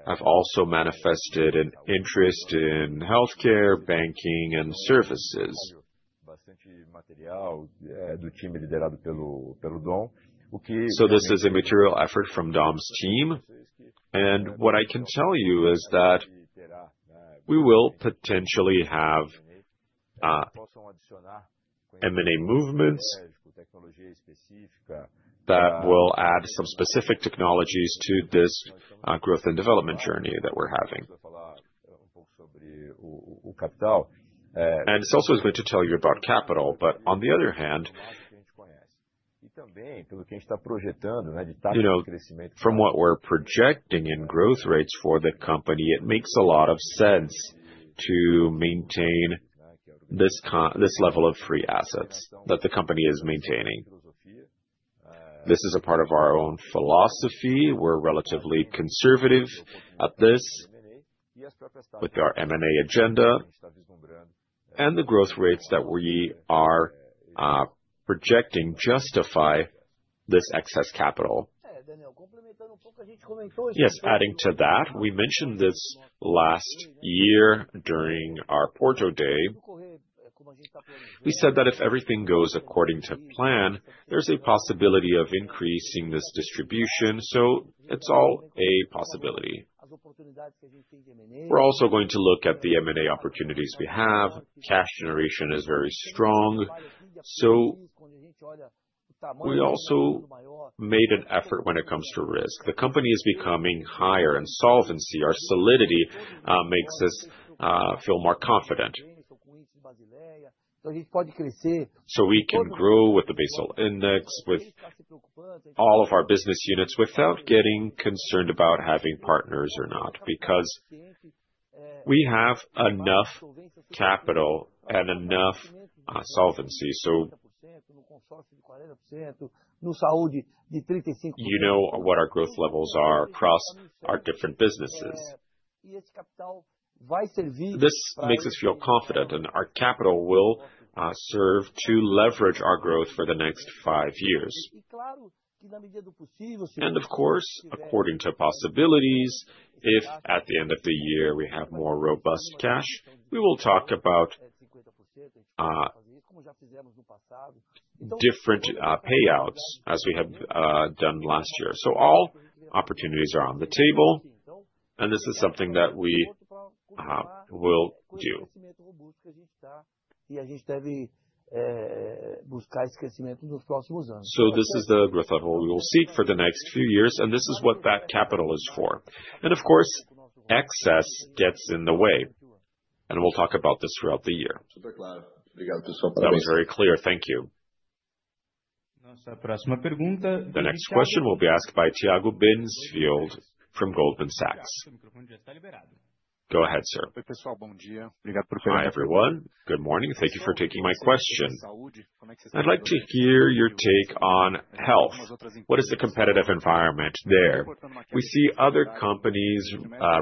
have also manifested an interest in healthcare, banking, and services. This is a material effort from Dom's team, and what I can tell you is that we will potentially have M&A movements that will add some specific technologies to this growth and development journey that we're having. I was going to tell you about capital, but on the other hand, from what we are projecting in growth rates for the company, it makes a lot of sense to maintain this level of free assets that the company is maintaining. This is a part of our own philosophy. We are relatively conservative at this with our M&A agenda, and the growth rates that we are projecting justify this excess capital. Yes, adding to that, we mentioned this last year during our Porto Day. We said that if everything goes according to plan, there is a possibility of increasing this distribution. It is all a possibility. We are also going to look at the M&A opportunities we have. Cash generation is very strong. We also made an effort when it comes to risk. The company is becoming higher, and solvency, our solidity, makes us feel more confident. We can grow with the basal index, with all of our business units, without getting concerned about having partners or not, because we have enough capital and enough solvency. You know what our growth levels are across our different businesses. This makes us feel confident, and our capital will serve to leverage our growth for the next five years. Of course, according to possibilities, if at the end of the year we have more robust cash, we will talk about different payouts as we have done last year. All opportunities are on the table, and this is something that we will do. This is the growth level we will seek for the next few years, and this is what that capital is for. Of course, excess gets in the way, and we'll talk about this throughout the year. That was very clear. Thank you. The next question will be asked by Tiago Binsfeld from Goldman Sachs. Go ahead, sir. Oi, pessoal, bom dia. Hi everyone. Good morning. Thank you for taking my question. I'd like to hear your take on health. What is the competitive environment there? We see other companies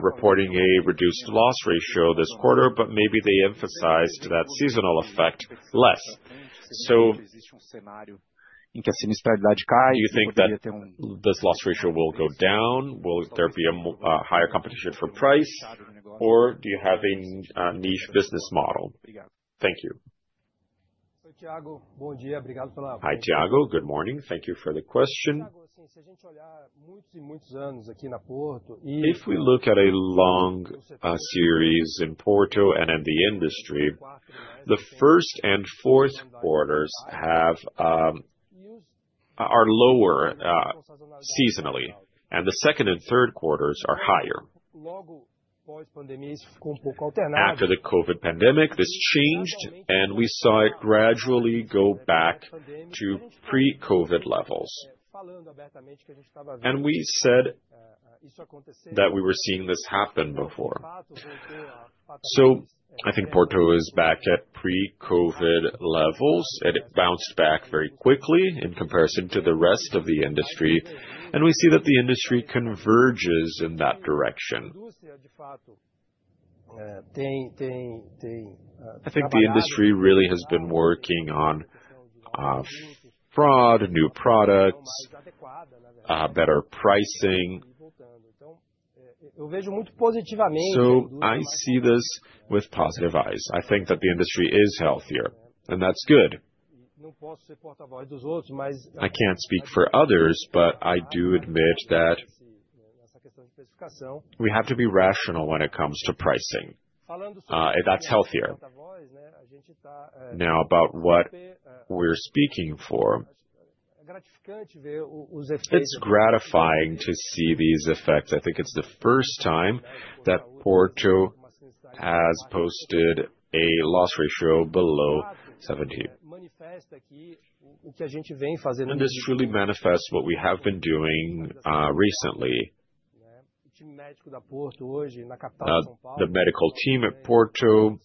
reporting a reduced loss ratio this quarter, but maybe they emphasized that seasonal effect less. Do you think that this loss ratio will go down? Will there be a higher competition for price? Or do you have a niche business model? Thank you. Hi Tiago, good morning. Thank you for the question. Se a gente olhar muitos e muitos anos aqui na Porto e if we look at a long series in Porto and in the industry, the first and fourth quarters are lower seasonally, and the second and third quarters are higher. After the COVID pandemic, this changed, and we saw it gradually go back to pre-COVID levels. We said that we were seeing this happen before. I think Porto is back at pre-COVID levels. It bounced back very quickly in comparison to the rest of the industry, and we see that the industry converges in that direction. I think the industry really has been working on fraud, new products, better pricing. I see this with positive eyes. I think that the industry is healthier, and that's good. I can't speak for others, but I do admit that we have to be rational when it comes to pricing. That's healthier. Now, about what we're speaking for, it's gratifying to see these effects. I think it's the first time that Porto has posted a loss ratio below 70%. This truly manifests what we have been doing recently. The medical team at Porto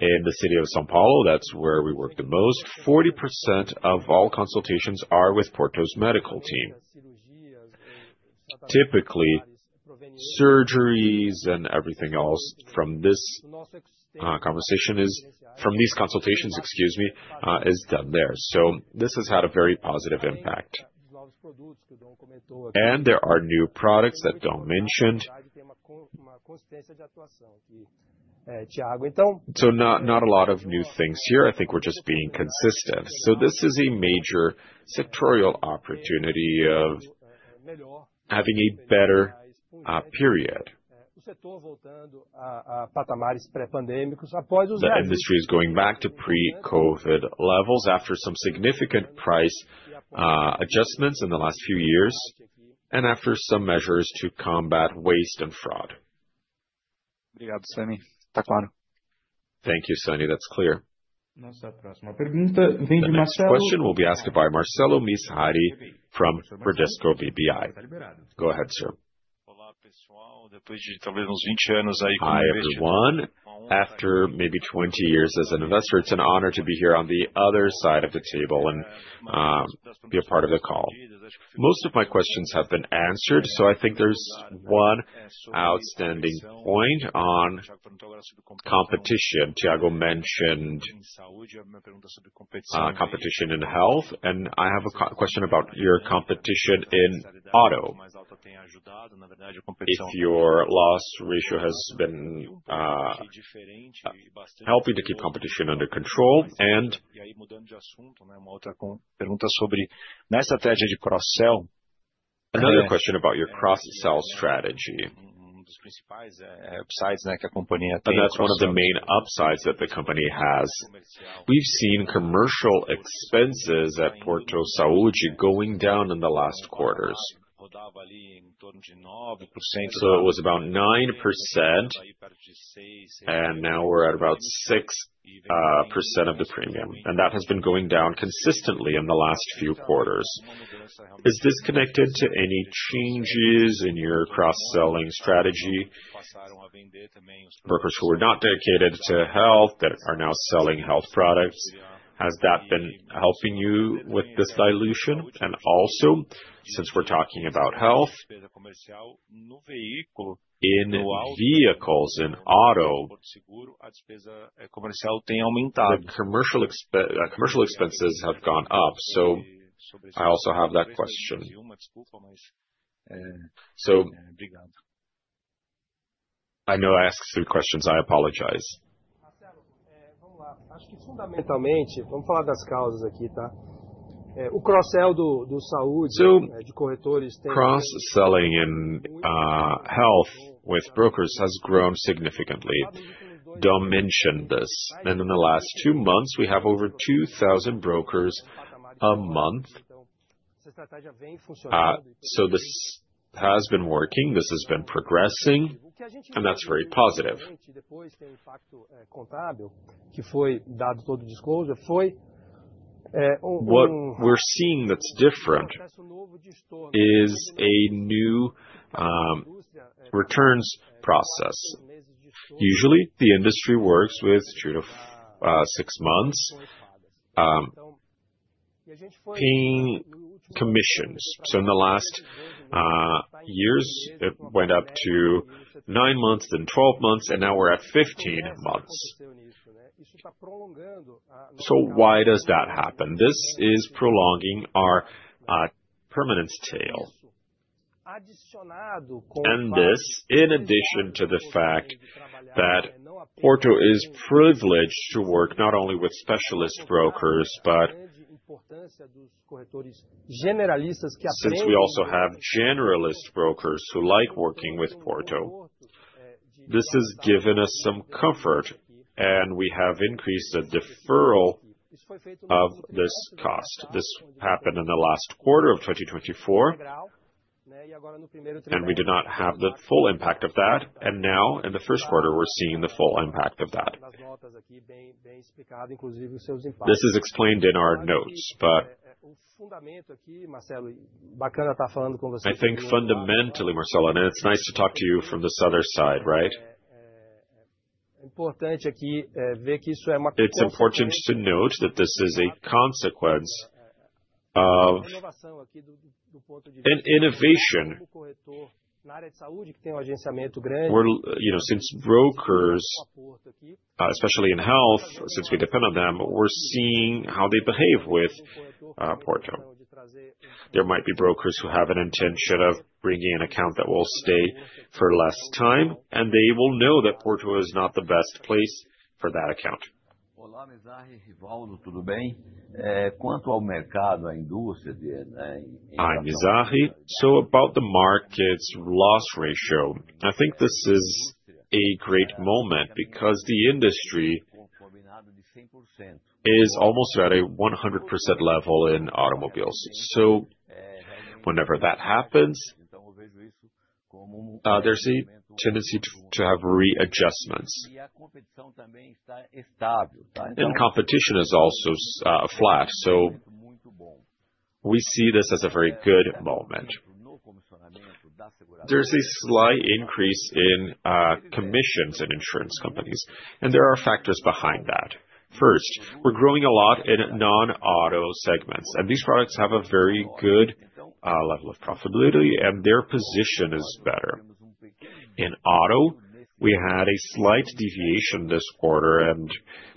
in the city of São Paulo, that's where we work the most. 40% of all consultations are with Porto's medical team. Typically, surgeries and everything else from these consultations, excuse me, is done there. This has had a very positive impact. There are new products that Dom mentioned. Not a lot of new things here. I think we're just being consistent. This is a major sectorial opportunity of having a better period. The industry is going back to pre-COVID levels after some significant price adjustments in the last few years and after some measures to combat waste and fraud. Thank you, Sami. That's clear. This question will be asked by Marcelo Mizrahi from Bradesco BBI. Go ahead, sir. Olá, pessoal. Depois de talvez uns 20 anos aí com o. Hi everyone. After maybe 20 years as an investor, it's an honor to be here on the other side of the table and be a part of the call. Most of my questions have been answered, so I think there's one outstanding point on competition. Tiago mentioned competition in health, and I have a question about your competition in auto. If your loss ratio has been helping to keep competition under control and e aí mudando de assunto. Nessa tédia de cross-sell. Another question about your cross-sell strategy. Dos principais upsides que a companhia tem. That's one of the main upsides that the company has. We've seen commercial expenses at Porto Saúde going down in the last quarters. It was about 9%, and now we're at about 6% of the premium, and that has been going down consistently in the last few quarters. Is this connected to any changes in your cross-selling strategy? Workers who were not dedicated to health that are now selling health products, has that been helping you with this dilution? Also, since we're talking about health, in vehicles, in auto, the commercial expenses have gone up. I also have that question. I know I asked three questions. I apologize. Marcelo, vamos lá. Acho que fundamentalmente, vamos falar das causas aqui, tá? O cross-sell do Saúde, de corretores, tem. Cross-selling in health with brokers has grown significantly. Dom mentioned this. In the last two months, we have over 2,000 brokers a month. This has been working. This has been progressing, and that's very positive. O que a gente vê, o que foi dado todo o disclosure, foi What we're seeing that's different is a new returns process. Usually, the industry works with six months paying commissions. In the last years, it went up to nine months, then twelve months, and now we are at fifteen months. Why does that happen? This is prolonging our permanence tail. This, in addition to the fact that Porto is privileged to work not only with specialist brokers, but since we also have generalist brokers who like working with Porto, has given us some comfort, and we have increased the deferral of this cost. This happened in the last quarter of 2024, and we did not have the full impact of that. Now, in the first quarter, we are seeing the full impact of that. This is explained in our notes, but I think fundamentally, Marcelo, it is nice to talk to you from this other side, right? It's important to note that this is a consequence of innovation in the area of Saúde, which has brokers, especially in health, since we depend on them. We're seeing how they behave with Porto. There might be brokers who have an intention of bringing an account that will stay for less time, and they will know that Porto is not the best place for that account. Olá, Mizrahi. Tudo bem? Quanto ao mercado, à indústria, a Mizrahi. About the market's loss ratio, I think this is a great moment because the industry is almost at a 100% level in automobiles. Whenever that happens, there's a tendency to have readjustments. Competition is also flat. We see this as a very good moment. There's a slight increase in commissions in insurance companies, and there are factors behind that. First, we're growing a lot in non-auto segments, and these products have a very good level of profitability, and their position is better. In auto, we had a slight deviation this quarter, and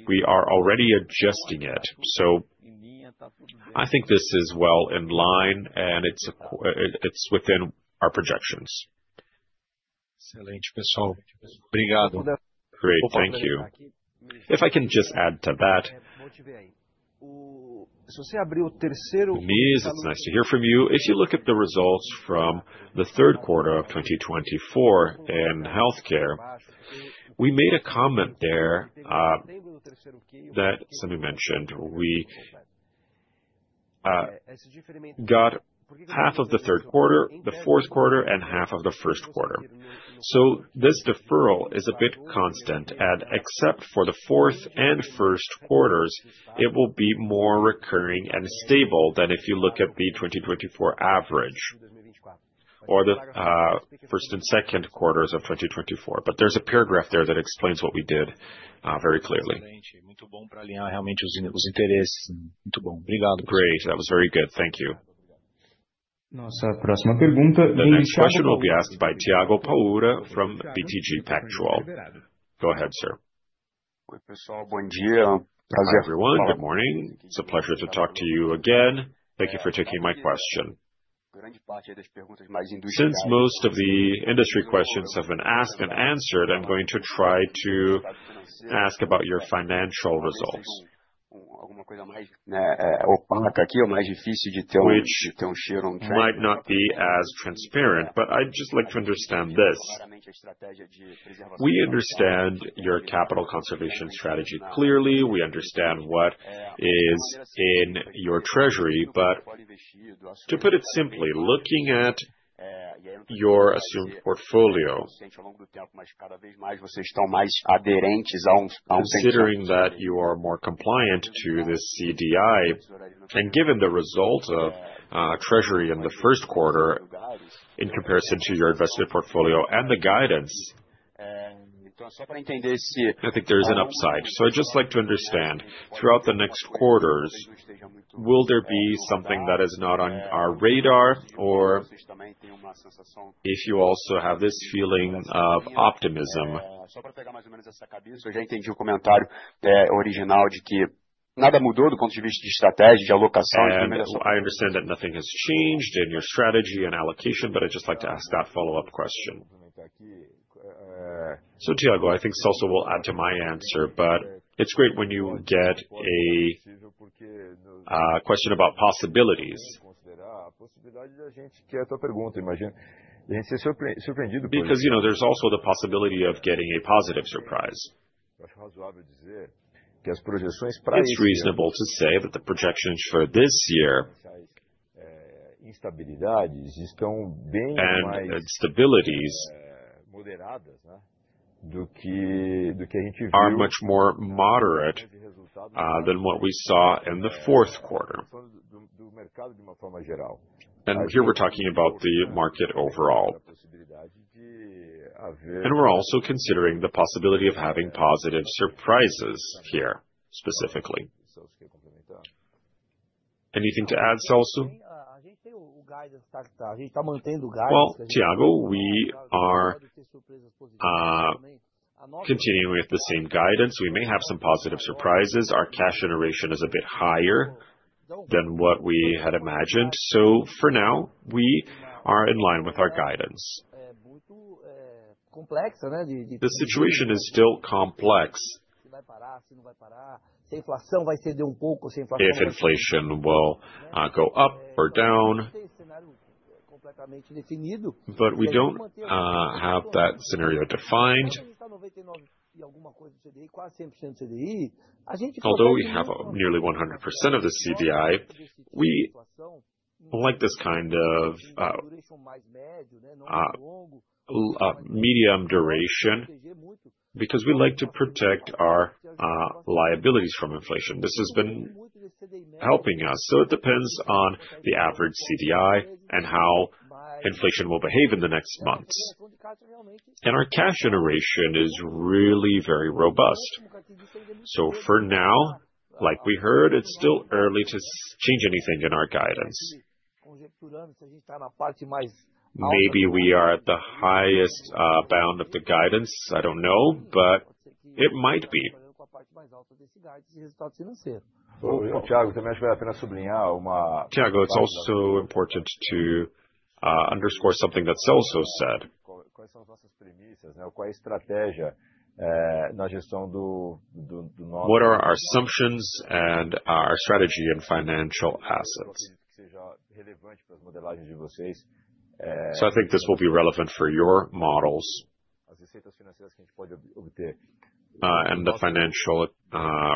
we are already adjusting it. I think this is well in line, and it's within our projections. Excelente, pessoal. Obrigado. Great. Thank you. If I can just add to that, se você abriu o terceiro mês, it's nice to hear from you. If you look at the results from the third quarter of 2024 in healthcare, we made a comment there that Sami mentioned we got half of the third quarter, the fourth quarter, and half of the first quarter. This deferral is a bit constant, and except for the fourth and first quarters, it will be more recurring and stable than if you look at the 2024 average or the first and second quarters of 2024. There is a paragraph there that explains what we did very clearly. Muito bom para alinhar realmente os interesses. Muito bom. Obrigado. Great. That was very good. Thank you. Nossa próxima pergunta é de Michel. This question will be asked by Thiago Paura from BTG Pactual. Go ahead, sir. Oi, pessoal. Bom dia. Everyone, good morning. It's a pleasure to talk to you again. Thank you for taking my question. Since most of the industry questions have been asked and answered, I'm going to try to ask about your financial results. Alguma coisa mais opaca aqui, ou mais difícil de ter cheiro, ou trade? It might not be as transparent, but I'd just like to understand this. We understand your capital conservation strategy clearly. We understand what is in your treasury, but to put it simply, looking at your assumed portfolio, considering that you are more compliant to the CDI and given the result of treasury in the first quarter in comparison to your investment portfolio and the guidance, I think there is an upside. I'd just like to understand, throughout the next quarters, will there be something that is not on our radar or if you also have this feeling of optimism? Eu já entendi o comentário original de que nada mudou do ponto de vista de estratégia, de alocação. I understand that nothing has changed in your strategy and allocation, but I'd just like to ask that follow-up question. Thiago, I think this also will add to my answer, but it's great when you get a question about possibilities. A gente que é a tua pergunta, imagino. A gente ser surpreendido por isso. Because there's also the possibility of getting a positive surprise. Eu acho razoável dizer que as projeções, pra isso, it's reasonable to say that the projections for this year estão bem mais. And stabilities do que a gente viu are much more moderate than what we saw in the fourth quarter. Falando do mercado de uma forma geral. Here we're talking about the market overall. We're also considering the possibility of having positive surprises here, specifically. Anything to add, Celso? A gente tem o guidance, a gente está mantendo o guidance. Thiago, we are continuing with the same guidance. We may have some positive surprises. Our cash generation is a bit higher than what we had imagined. For now, we are in line with our guidance. A situação é complexa. If inflation will go up or down, but we do not have that scenario defined. Although we have nearly 100% of the CDI, we like this kind of medium duration because we like to protect our liabilities from inflation. This has been helping us. It depends on the average CDI and how inflation will behave in the next months. Our cash generation is really very robust. For now, like we heard, it is still early to change anything in our guidance. Maybe we are at the highest bound of the guidance. I do not know, but it might be. O Thiago também acho que vale a pena sublinhar uma. Thiago, it is also important to underscore something that Celso said. Qual é a estratégia na gestão do nosso. What are our assumptions and our strategy in financial assets? I think this will be relevant for your models. The financial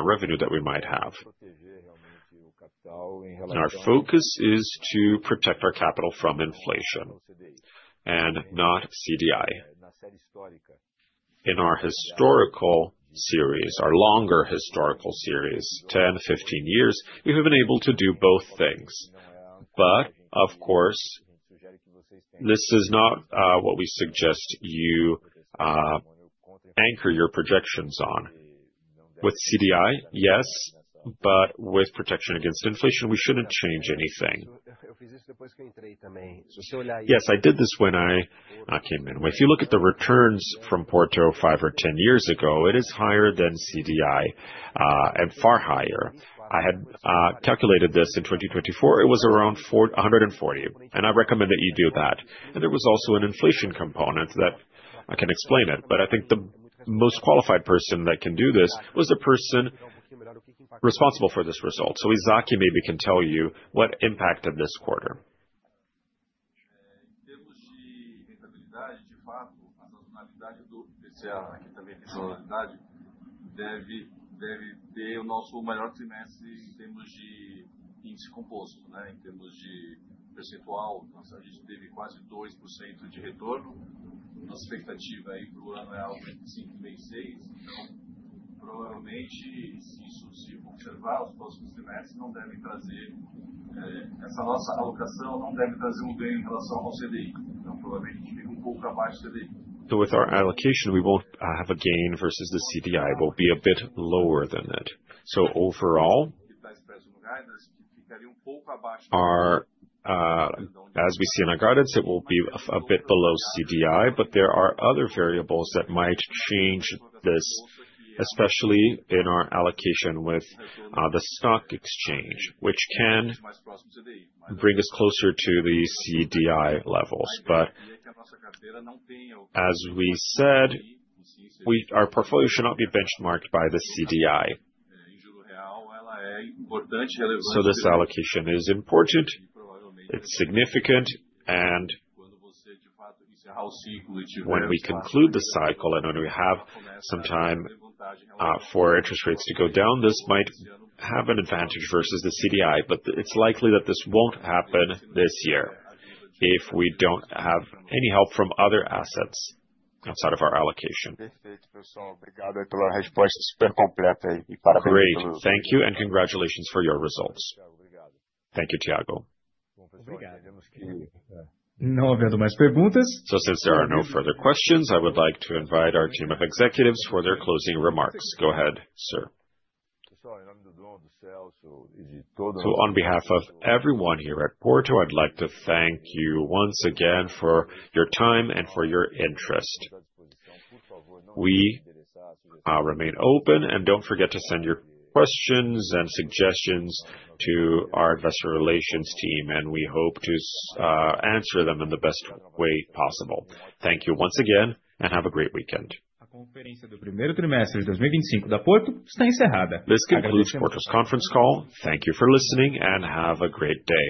revenue that we might have. Our focus is to protect our capital from inflation and not CDI. In our historical series, our longer historical series, 10, 15 years, we have been able to do both things. Of course, this is not what we suggest you anchor your projections on. With CDI, yes, but with protection against inflation, we should not change anything. Yes, I did this when I came in. If you look at the returns from Porto 5 or 10 years ago, it is higher than CDI and far higher. I had calculated this in 2024. It was around 140, and I recommend that you do that. There was also an inflation component that I can explain, but I think the most qualified person that can do this is the person responsible for this result. Isaac, you maybe can tell you what impacted this quarter. Em termos de rentabilidade, de fato, a sazonalidade do PCA, aqui também a sazonalidade, deve ter o nosso maior trimestre em termos de índice composto, em termos de percentual. A gente teve quase 2% de retorno. Nossa expectativa aí para o ano é algo entre 5%-6%. Então, provavelmente, se isso se observar nos próximos trimestres, não deve trazer essa nossa alocação, não deve trazer ganho em relação ao CDI. Então, provavelmente, a gente fica pouco abaixo do CDI. With our allocation, we won't have a gain versus the CDI. It will be a bit lower than that. Overall, as we see in our guidance, it will be a bit below CDI, but there are other variables that might change this, especially in our allocation with the stock exchange, which can bring us closer to the CDI levels. As we said, our portfolio should not be benchmarked by the CDI. This allocation is important, it's significant, and when we conclude the cycle and when we have some time for interest rates to go down, this might have an advantage versus the CDI, but it's likely that this won't happen this year if we don't have any help from other assets outside of our allocation. Perfeito, pessoal. Obrigado pela resposta super completa aí. Great. Thank you and congratulations for your results. Thank you, Thiago. Obrigado. Não havendo mais perguntas. Since there are no further questions, I would like to invite our team of executives for their closing remarks. Go ahead, sir. On behalf of everyone here at Porto, I'd like to thank you once again for your time and for your interest. We remain open, and do not forget to send your questions and suggestions to our investor relations team, and we hope to answer them in the best way possible. Thank you once again and have a great weekend. A conferência do primeiro trimestre de 2025 da Porto está encerrada. This concludes Porto's conference call. Thank you for listening and have a great day.